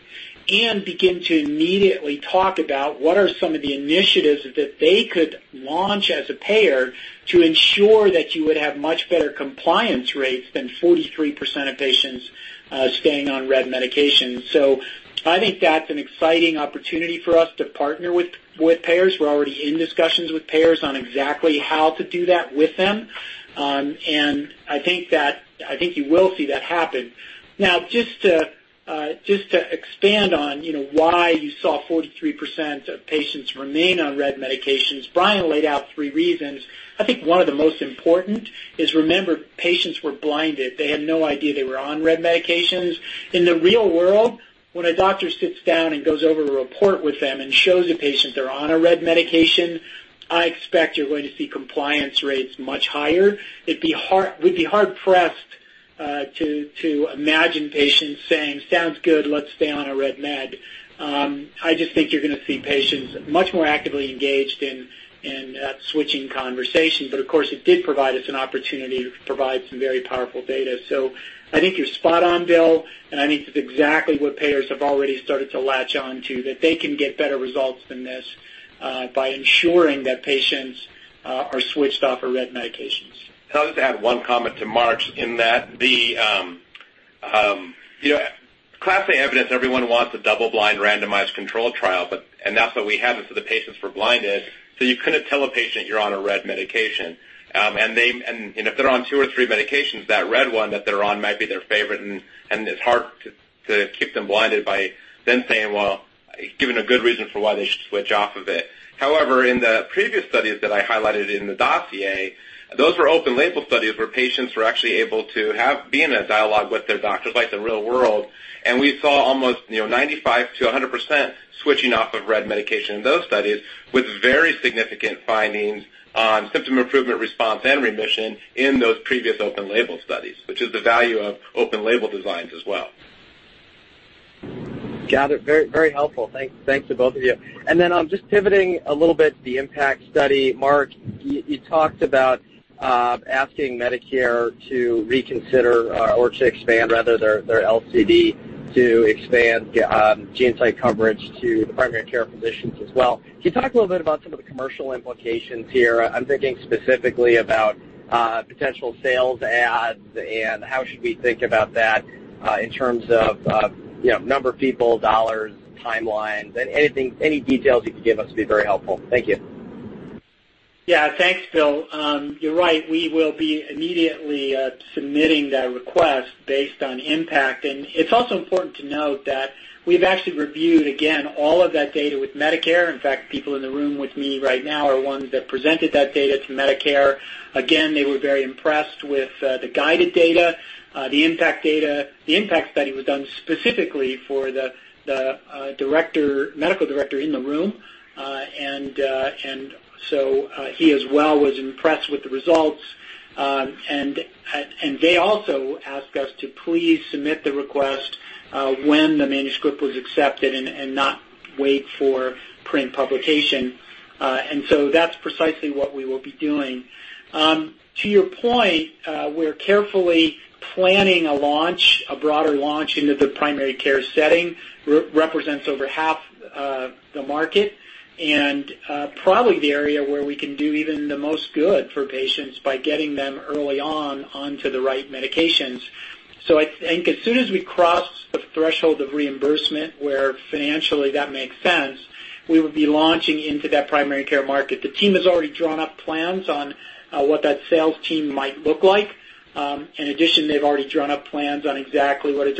and begin to immediately talk about what are some of the initiatives that they could launch as a payer to ensure that you would have much better compliance rates than 43% of patients staying on RED medications. I think that's an exciting opportunity for us to partner with payers. We're already in discussions with payers on exactly how to do that with them. I think you will see that happen. Now, just to expand on why you saw 43% of patients remain on RED medications, Brian laid out three reasons. I think one of the most important is, remember, patients were blinded. They had no idea they were on RED medications. In the real world, when a doctor sits down and goes over a report with them and shows a patient they're on a RED medication, I expect you're going to see compliance rates much higher. We'd be hard-pressed to imagine patients saying, "Sounds good, let's stay on a RED med." I just think you're going to see patients much more actively engaged in that switching conversation. Of course, it did provide us an opportunity to provide some very powerful data. I think you're spot on, Bill. I think that's exactly what payers have already started to latch onto, that they can get better results than this by ensuring that patients are switched off of RED medications. I'll just add one comment to Mark in that the class of evidence, everyone wants a double-blind randomized control trial, and that's what we have, is that the patients were blinded, so you couldn't tell a patient you're on a RED medication. If they're on two or three medications, that RED one that they're on might be their favorite and it's hard to keep them blinded by then saying, well, giving a good reason for why they should switch off of it. However, in the previous studies that I highlighted in the dossier, those were open label studies where patients were actually able to be in a dialogue with their doctors, like the real world. We saw almost 95%-100% switching off of red medication in those studies with very significant findings on symptom improvement, response, and remission in those previous open label studies, which is the value of open label designs as well. Got it. Very helpful. Thanks to both of you. Just pivoting a little bit to the IMPACT study, Mark, you talked about asking Medicare to reconsider or to expand rather their LCD to expand GeneSight coverage to the primary care physicians as well. Can you talk a little bit about some of the commercial implications here? I'm thinking specifically about potential sales adds and how should we think about that in terms of number of people, dollars, timelines, and any details you can give us would be very helpful. Thank you. Yeah. Thanks, Bill. You're right. We will be immediately submitting that request based on IMPACT. It's also important to note that we've actually reviewed, again, all of that data with Medicare. In fact, people in the room with me right now are ones that presented that data to Medicare. Again, they were very impressed with the GUIDED data, the IMPACT data. The IMPACT study was done specifically for the medical director in the room. So he as well was impressed with the results. They also asked us to please submit the request when the manuscript was accepted and not wait for print publication. So that's precisely what we will be doing. To your point, we're carefully planning a broader launch into the primary care setting, represents over half the market and probably the area where we can do even the most good for patients by getting them early on onto the right medications. I think as soon as we cross the threshold of reimbursement, where financially that makes sense, we will be launching into that primary care market. The team has already drawn up plans on what that sales team might look like. In addition, they've already drawn up plans on exactly what a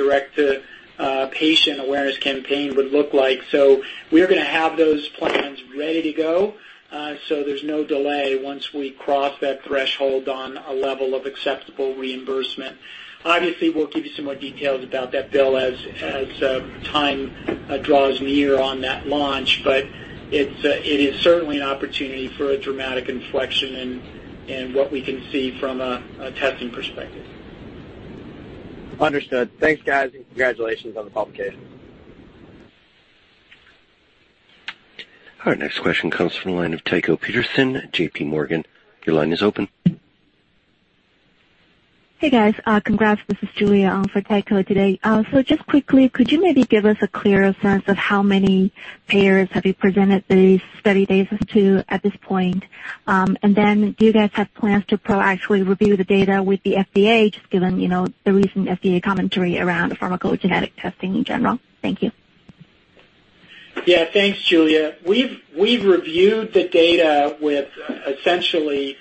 direct-to-patient awareness campaign would look like. We're going to have those plans ready to go so there's no delay once we cross that threshold on a level of acceptable reimbursement. We'll give you some more details about that, Bill, as time draws near on that launch, but it is certainly an opportunity for a dramatic inflection in what we can see from a testing perspective. Understood. Thanks, guys, and congratulations on the publication. Our next question comes from the line of Tycho Peterson, JPMorgan. Your line is open. Hey, guys. Congrats. This is Julia on for Tycho today. Just quickly, could you maybe give us a clearer sense of how many payers have you presented these study data to at this point? Do you guys have plans to proactively review the data with the FDA, just given the recent FDA commentary around pharmacogenetic testing in general? Thank you. Thanks, Julia. We've reviewed the data with essentially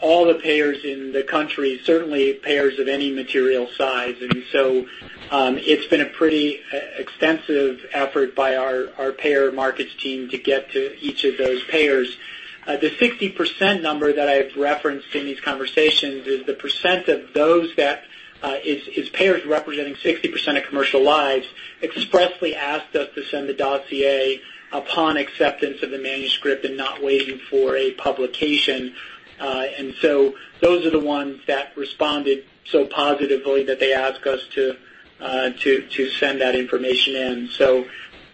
all the payers in the country, certainly payers of any material size. It's been a pretty extensive effort by our payer markets team to get to each of those payers. The 60% number that I've referenced in these conversations is the percent of those that is payers representing 60% of commercial lives, expressly asked us to send the dossier upon acceptance of the manuscript and not waiting for a publication. Those are the ones that responded so positively that they ask us to send that information in.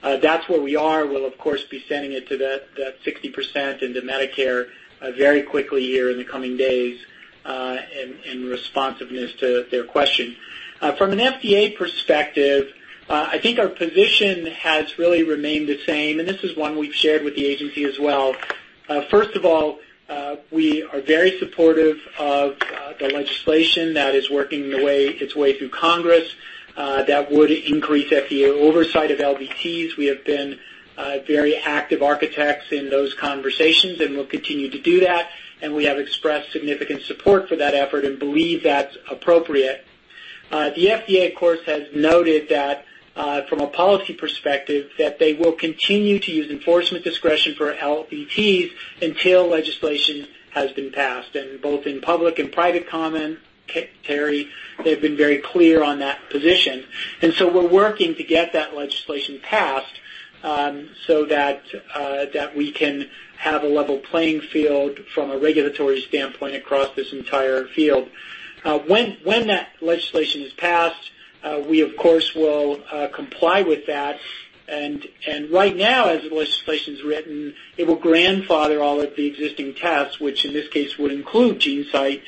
That's where we are. We'll, of course, be sending it to that 60% and to Medicare very quickly here in the coming days in responsiveness to their question. From an FDA perspective, I think our position has really remained the same, and this is one we've shared with the agency as well. First of all, we are very supportive of the legislation that is working its way through Congress that would increase FDA oversight of LDTs. We have been very active architects in those conversations and will continue to do that. We have expressed significant support for that effort and believe that's appropriate. The FDA, of course, has noted that from a policy perspective, that they will continue to use enforcement discretion for LDTs until legislation has been passed, and both in public and private comment, Terry, they've been very clear on that position. We're working to get that legislation passed so that we can have a level playing field from a regulatory standpoint across this entire field. When that legislation is passed, we of course will comply with that. Right now, as the legislation's written, it will grandfather all of the existing tests, which in this case would include GeneSight.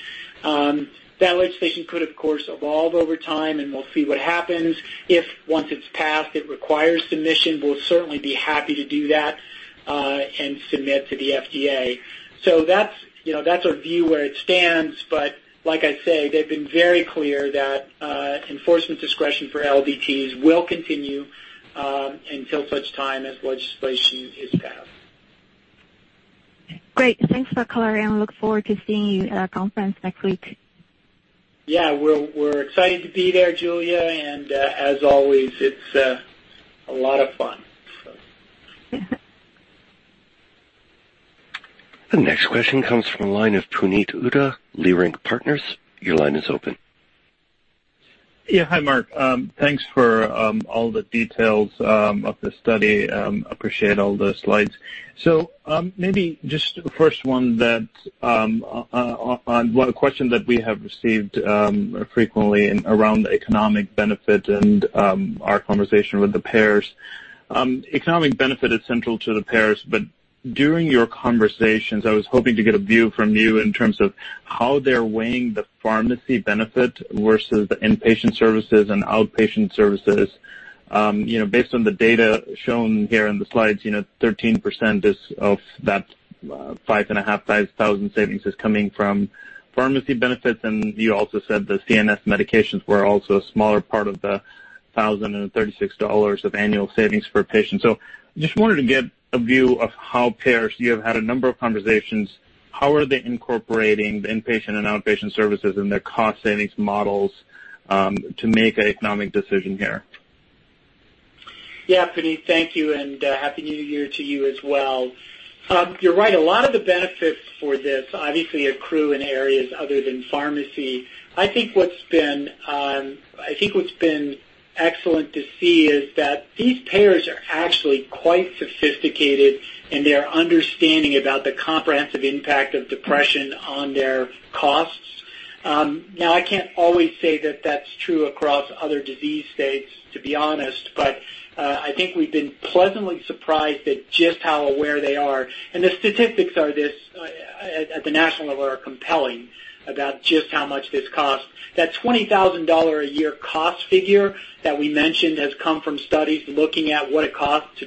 That legislation could, of course, evolve over time, and we'll see what happens. If once it's passed, it requires submission, we'll certainly be happy to do that, and submit to the FDA. That's our view where it stands, but like I say, they've been very clear that enforcement discretion for LDTs will continue until such time as legislation is passed. Great. Thanks for clarity, and look forward to seeing you at our conference next week. We're excited to be there, Julia, and as always, it's a lot of fun. The next question comes from the line of Puneet Souda, Leerink Partners. Your line is open. Hi, Mark. Thanks for all the details of the study. Appreciate all the slides. Maybe just the first one that on one question that we have received frequently around the economic benefit and our conversation with the payers. Economic benefit is central to the payers, but during your conversations, I was hoping to get a view from you in terms of how they're weighing the pharmacy benefit versus the inpatient services and outpatient services. Based on the data shown here in the slides, 13% of that $5,500 savings is coming from pharmacy benefits, and you also said the CNS medications were also a smaller part of the $1,036 of annual savings per patient. Just wanted to get a view of how payers, you have had a number of conversations, how are they incorporating the inpatient and outpatient services and their cost savings models to make an economic decision here? Yeah, Puneet. Thank you, and happy New Year to you as well. You're right. A lot of the benefits for this obviously accrue in areas other than pharmacy. I think what's been excellent to see is that these payers are actually quite sophisticated in their understanding about the comprehensive impact of depression on their costs. Now, I can't always say that that's true across other disease states, to be honest, but I think we've been pleasantly surprised at just how aware they are. The statistics at the national level are compelling about just how much this costs. That $20,000 a year cost figure that we mentioned has come from studies looking at what it costs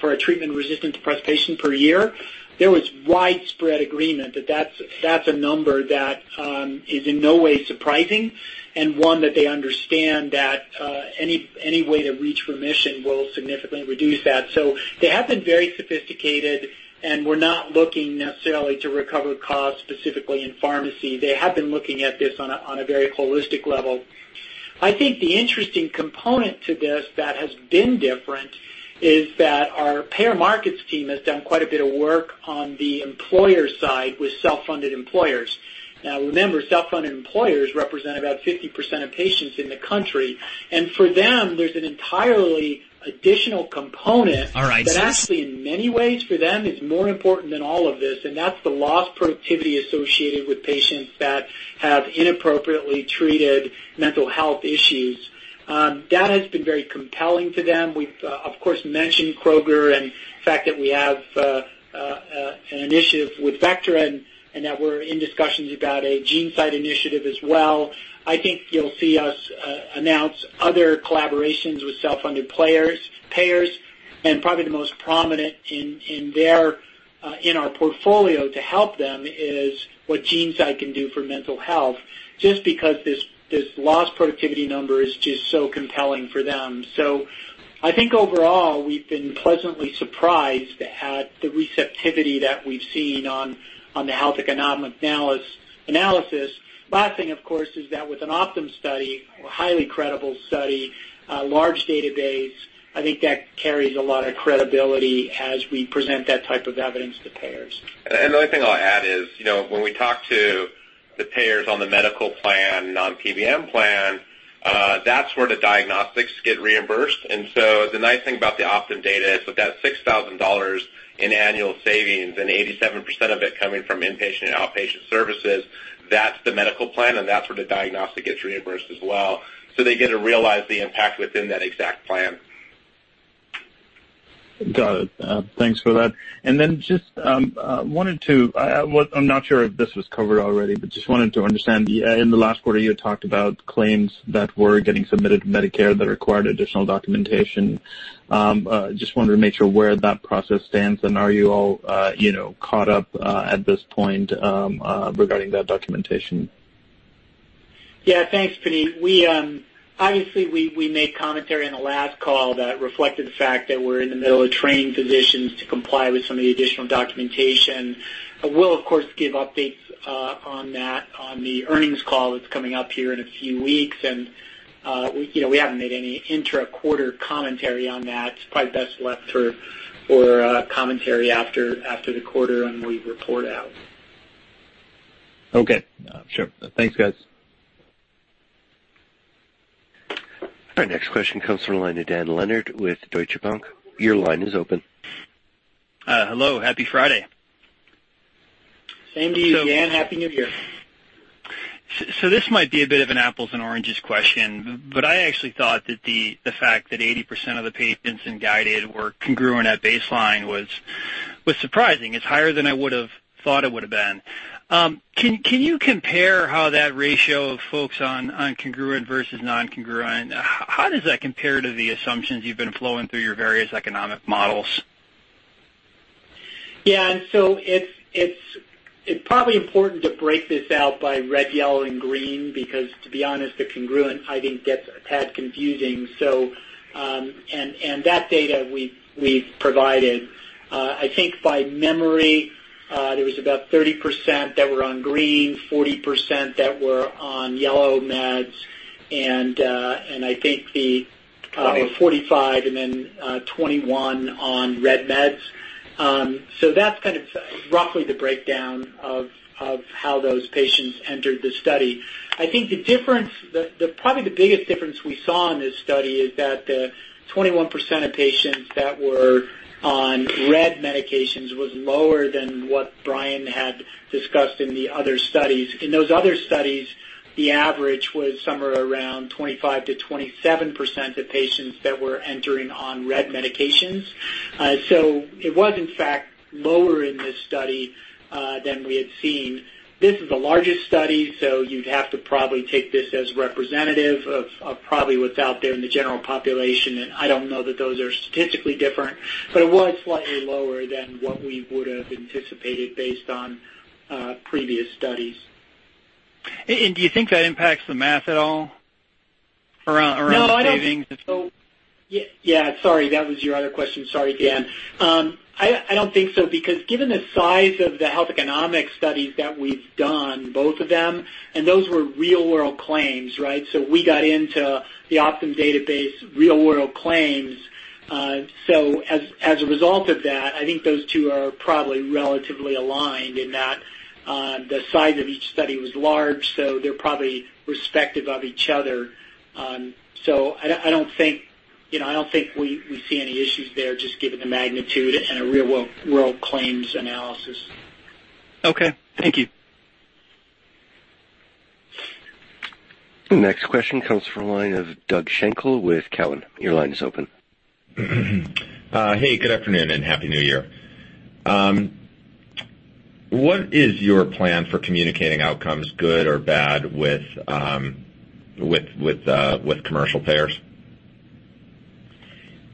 for a treatment-resistant depression per year. There was widespread agreement that that's a number that is in no way surprising, and one that they understand that any way to reach remission will significantly reduce that. They have been very sophisticated, and we're not looking necessarily to recover costs specifically in pharmacy. They have been looking at this on a very holistic level. I think the interesting component to this that has been different is that our payer markets team has done quite a bit of work on the employer side with self-funded employers. Now remember, self-funded employers represent about 50% of patients in the country. For them, there's an entirely additional component- All right that actually in many ways for them is more important than all of this, and that's the lost productivity associated with patients that have inappropriately treated mental health issues. That has been very compelling to them. We've, of course, mentioned Kroger and the fact that we have an initiative with Vectren and that we're in discussions about a GeneSight initiative as well. I think you'll see us announce other collaborations with self-funded payers, and probably the most prominent in our portfolio to help them is what GeneSight can do for mental health, just because this lost productivity number is just so compelling for them. I think overall, we've been pleasantly surprised at the receptivity that we've seen on the health economic analysis. Last thing, of course, is that with an Optum study, a highly credible study, a large database, I think that carries a lot of credibility as we present that type of evidence to payers. The only thing I'll add is, when we talk to the payers on the medical plan, non-PBM plan, that's where the diagnostics get reimbursed. The nice thing about the Optum data is that that $6,000 in annual savings and 87% of it coming from inpatient and outpatient services, that's the medical plan and that's where the diagnostic gets reimbursed as well. They get to realize the impact within that exact plan. Got it. Thanks for that. Then just wanted to, I'm not sure if this was covered already, but just wanted to understand. In the last quarter, you had talked about claims that were getting submitted to Medicare that required additional documentation. Just wanted to make sure where that process stands, are you all caught up at this point regarding that documentation? Yeah, thanks, Puneet. Obviously, we made commentary on the last call that reflected the fact that we're in the middle of training physicians to comply with some of the additional documentation. We'll, of course, give updates on that on the earnings call that's coming up here in a few weeks. We haven't made any intra-quarter commentary on that. It's probably best left for commentary after the quarter when we report out. Okay. Sure. Thanks, guys. Our next question comes from the line of Dan Leonard with Deutsche Bank. Your line is open. Hello. Happy Friday. Same to you, Dan. Happy New Year. This might be a bit of an apples and oranges question, but I actually thought that the fact that 80% of the patients in GUIDED were congruent at baseline was surprising. It's higher than I would have thought it would have been. Can you compare how that ratio of folks on congruent versus non-congruent, how does that compare to the assumptions you've been flowing through your various economic models? It's probably important to break this out by red, yellow, and green because, to be honest, the congruent, I think, gets a tad confusing. That data we've provided. I think by memory, there was about 30% that were on green, 40% that were on yellow meds. 45% and then 21% on red meds. That's kind of roughly the breakdown of how those patients entered the study. I think probably the biggest difference we saw in this study is that the 21% of patients that were on red medications was lower than what Brian had discussed in the other studies. In those other studies, the average was somewhere around 25%-27% of patients that were entering on red medications. It was in fact lower in this study than we had seen. This is the largest study, so you'd have to probably take this as representative of probably what's out there in the general population, and I don't know that those are statistically different, but it was slightly lower than what we would have anticipated based on previous studies. Do you think that impacts the math at all around savings? Yeah. Sorry, that was your other question. Sorry, Dan. I don't think so because given the size of the health economic studies that we've done, both of them, and those were real-world claims, right? We got into the Optum database, real-world claims. As a result of that, I think those two are probably relatively aligned in that the size of each study was large, so they're probably respective of each other. I don't think we see any issues there just given the magnitude and a real-world claims analysis. Okay. Thank you. The next question comes from the line of Doug Schenkel with Cowen. Your line is open. Hey, good afternoon and Happy New Year. What is your plan for communicating outcomes, good or bad, with commercial payers?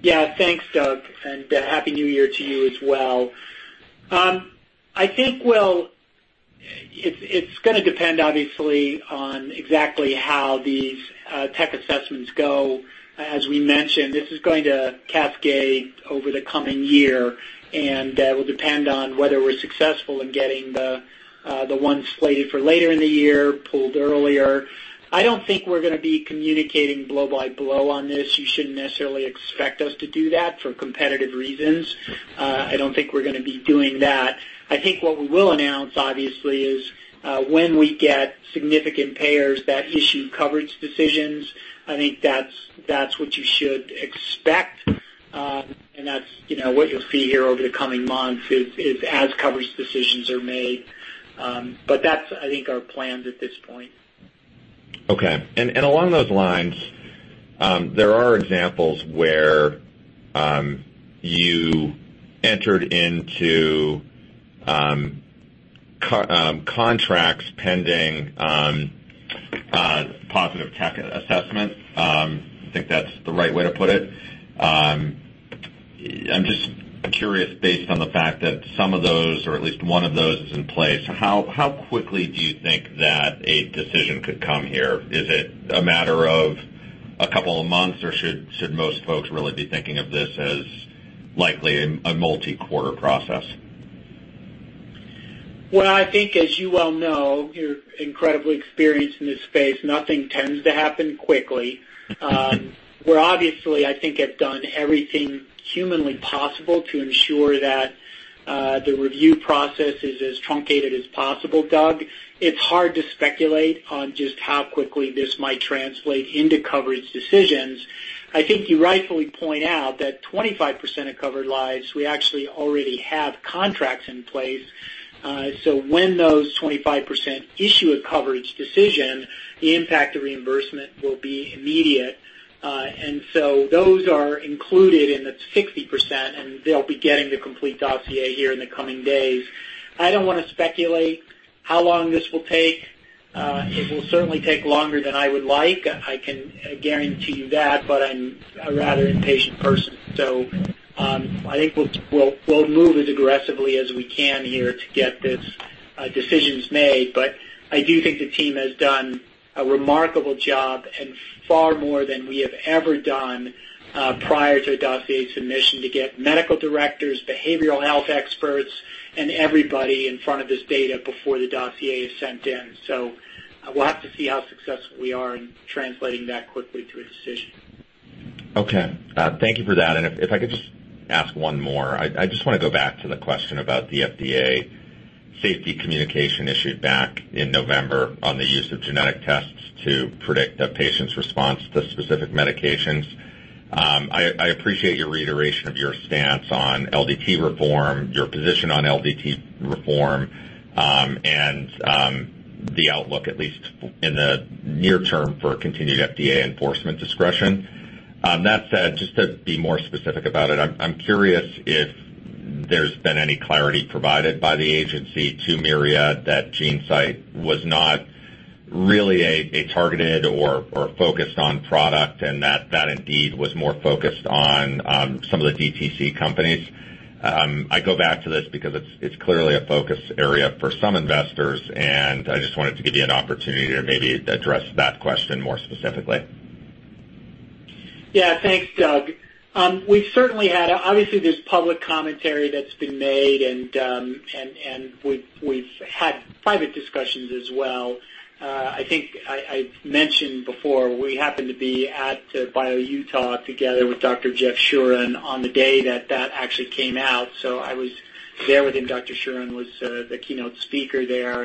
Yeah. Thanks, Doug, Happy New Year to you as well. I think it's going to depend obviously on exactly how these tech assessments go. As we mentioned, this is going to cascade over the coming year, That will depend on whether we're successful in getting the one slated for later in the year pulled earlier. I don't think we're going to be communicating blow by blow on this. You shouldn't necessarily expect us to do that for competitive reasons. I don't think we're going to be doing that. I think what we will announce, obviously, is when we get significant payers that issue coverage decisions, I think that's what you should expect. That's what you'll see here over the coming months is as coverage decisions are made. That's, I think our plans at this point. Okay. Along those lines, there are examples where you entered into contracts pending on positive tech assessment. I think that's the right way to put it. I'm just curious based on the fact that some of those, or at least one of those is in place, how quickly do you think that a decision could come here? Is it a matter of a couple of months, or should most folks really be thinking of this as likely a multi-quarter process? I think as you well know, you're incredibly experienced in this space, nothing tends to happen quickly. We obviously, I think have done everything humanly possible to ensure that the review process is as truncated as possible, Doug. It's hard to speculate on just how quickly this might translate into coverage decisions. I think you rightfully point out that 25% of covered lives, we actually already have contracts in place. When those 25% issue a coverage decision, the impact of reimbursement will be immediate. Those are included in the 60%, and they'll be getting the complete dossier here in the coming days. I don't want to speculate how long this will take. It will certainly take longer than I would like. I can guarantee you that, I'm a rather impatient person. I think we'll move as aggressively as we can here to get these decisions made. I do think the team has done a remarkable job and far more than we have ever done prior to a dossier submission to get medical directors, behavioral health experts, and everybody in front of this data before the dossier is sent in. We'll have to see how successful we are in translating that quickly to a decision. Okay. Thank you for that. If I could just ask one more, I just want to go back to the question about the FDA safety communication issued back in November on the use of genetic tests to predict a patient's response to specific medications. I appreciate your reiteration of your stance on LDT reform, your position on LDT reform, and the outlook at least in the near term for continued FDA enforcement discretion. That said, just to be more specific about it, I'm curious if there's been any clarity provided by the agency to Myriad that GeneSight was not really a targeted or focused-on product, and that indeed was more focused on some of the DTC companies. I go back to this because it's clearly a focus area for some investors, and I just wanted to give you an opportunity to maybe address that question more specifically. Yeah. Thanks, Doug. Obviously, there's public commentary that's been made, we've had private discussions as well. I think I mentioned before we happened to be at BioUtah together with Dr. Jeff Shuren on the day that that actually came out. I was there with him. Dr. Shuren was the keynote speaker there,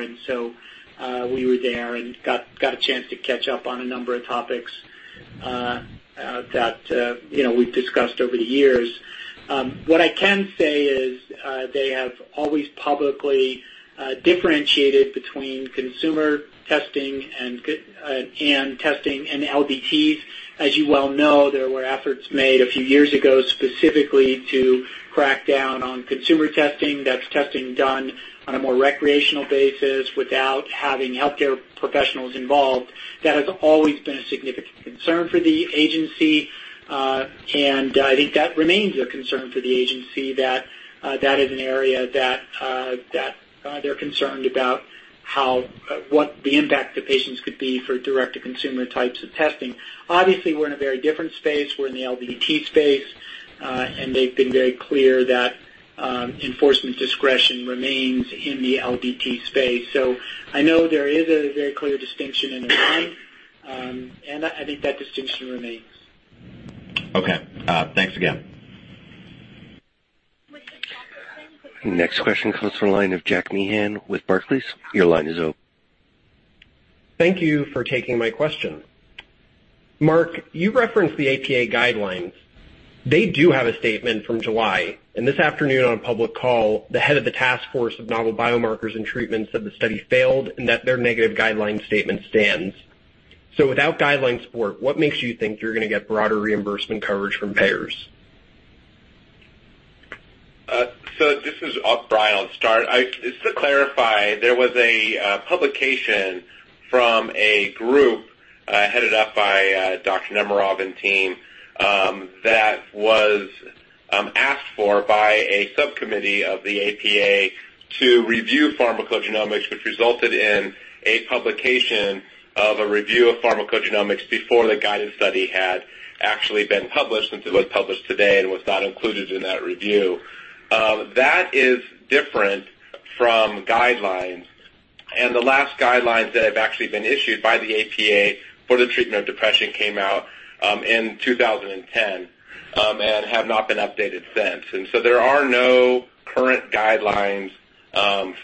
we were there and got a chance to catch up on a number of topics that we've discussed over the years. What I can say is, they have always publicly differentiated between consumer testing and testing in LDTs. As you well know, there were efforts made a few years ago specifically to crack down on consumer testing. That's testing done on a more recreational basis without having healthcare professionals involved. That has always been a significant concern for the agency, and I think that remains a concern for the agency, that is an area that they're concerned about what the impact to patients could be for direct-to-consumer types of testing. Obviously, we're in a very different space. We're in the LDT space. They've been very clear that enforcement discretion remains in the LDT space. I know there is a very clear distinction in their mind, and I think that distinction remains. Okay. Thanks again. Next question comes from the line of Jack Meehan with Barclays. Your line is open. Thank you for taking my question. Mark, you referenced the APA guidelines. They do have a statement from July, and this afternoon on a public call, the head of the task force of Novel Biomarkers and Treatments said the study failed and that their negative guideline statement stands. Without guideline support, what makes you think you're going to get broader reimbursement coverage from payers? This is Bob. Just to clarify, there was a publication from a group headed up by Dr. Nemeroff and team that was asked for by a subcommittee of the APA to review pharmacogenomics, which resulted in a publication of a review of pharmacogenomics before the GUIDED study had actually been published, since it was published today and was not included in that review. That is different from guidelines. The last guidelines that have actually been issued by the APA for the treatment of depression came out in 2010 and have not been updated since. There are no current guidelines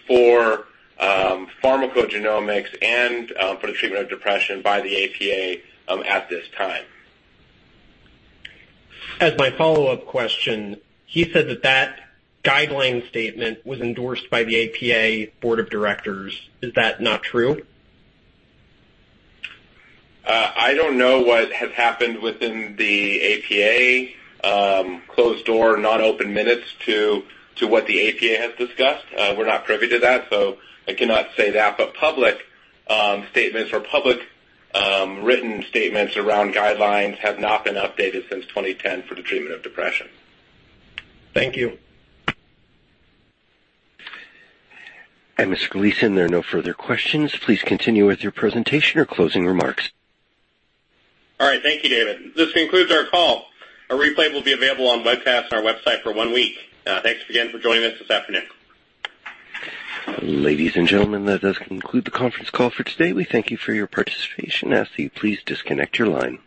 for pharmacogenomics and for the treatment of depression by the APA at this time. As my follow-up question, he said that that guideline statement was endorsed by the APA board of directors. Is that not true? I don't know what has happened within the APA closed door, not open minutes to what the APA has discussed. We are not privy to that, so I cannot say that. Public statements or public written statements around guidelines have not been updated since 2010 for the treatment of depression. Thank you. Mr. Gleason, there are no further questions. Please continue with your presentation or closing remarks. All right. Thank you, David. This concludes our call. A replay will be available on webcast on our website for one week. Thanks again for joining us this afternoon. Ladies and gentlemen, that does conclude the conference call for today. We thank you for your participation. I ask that you please disconnect your line.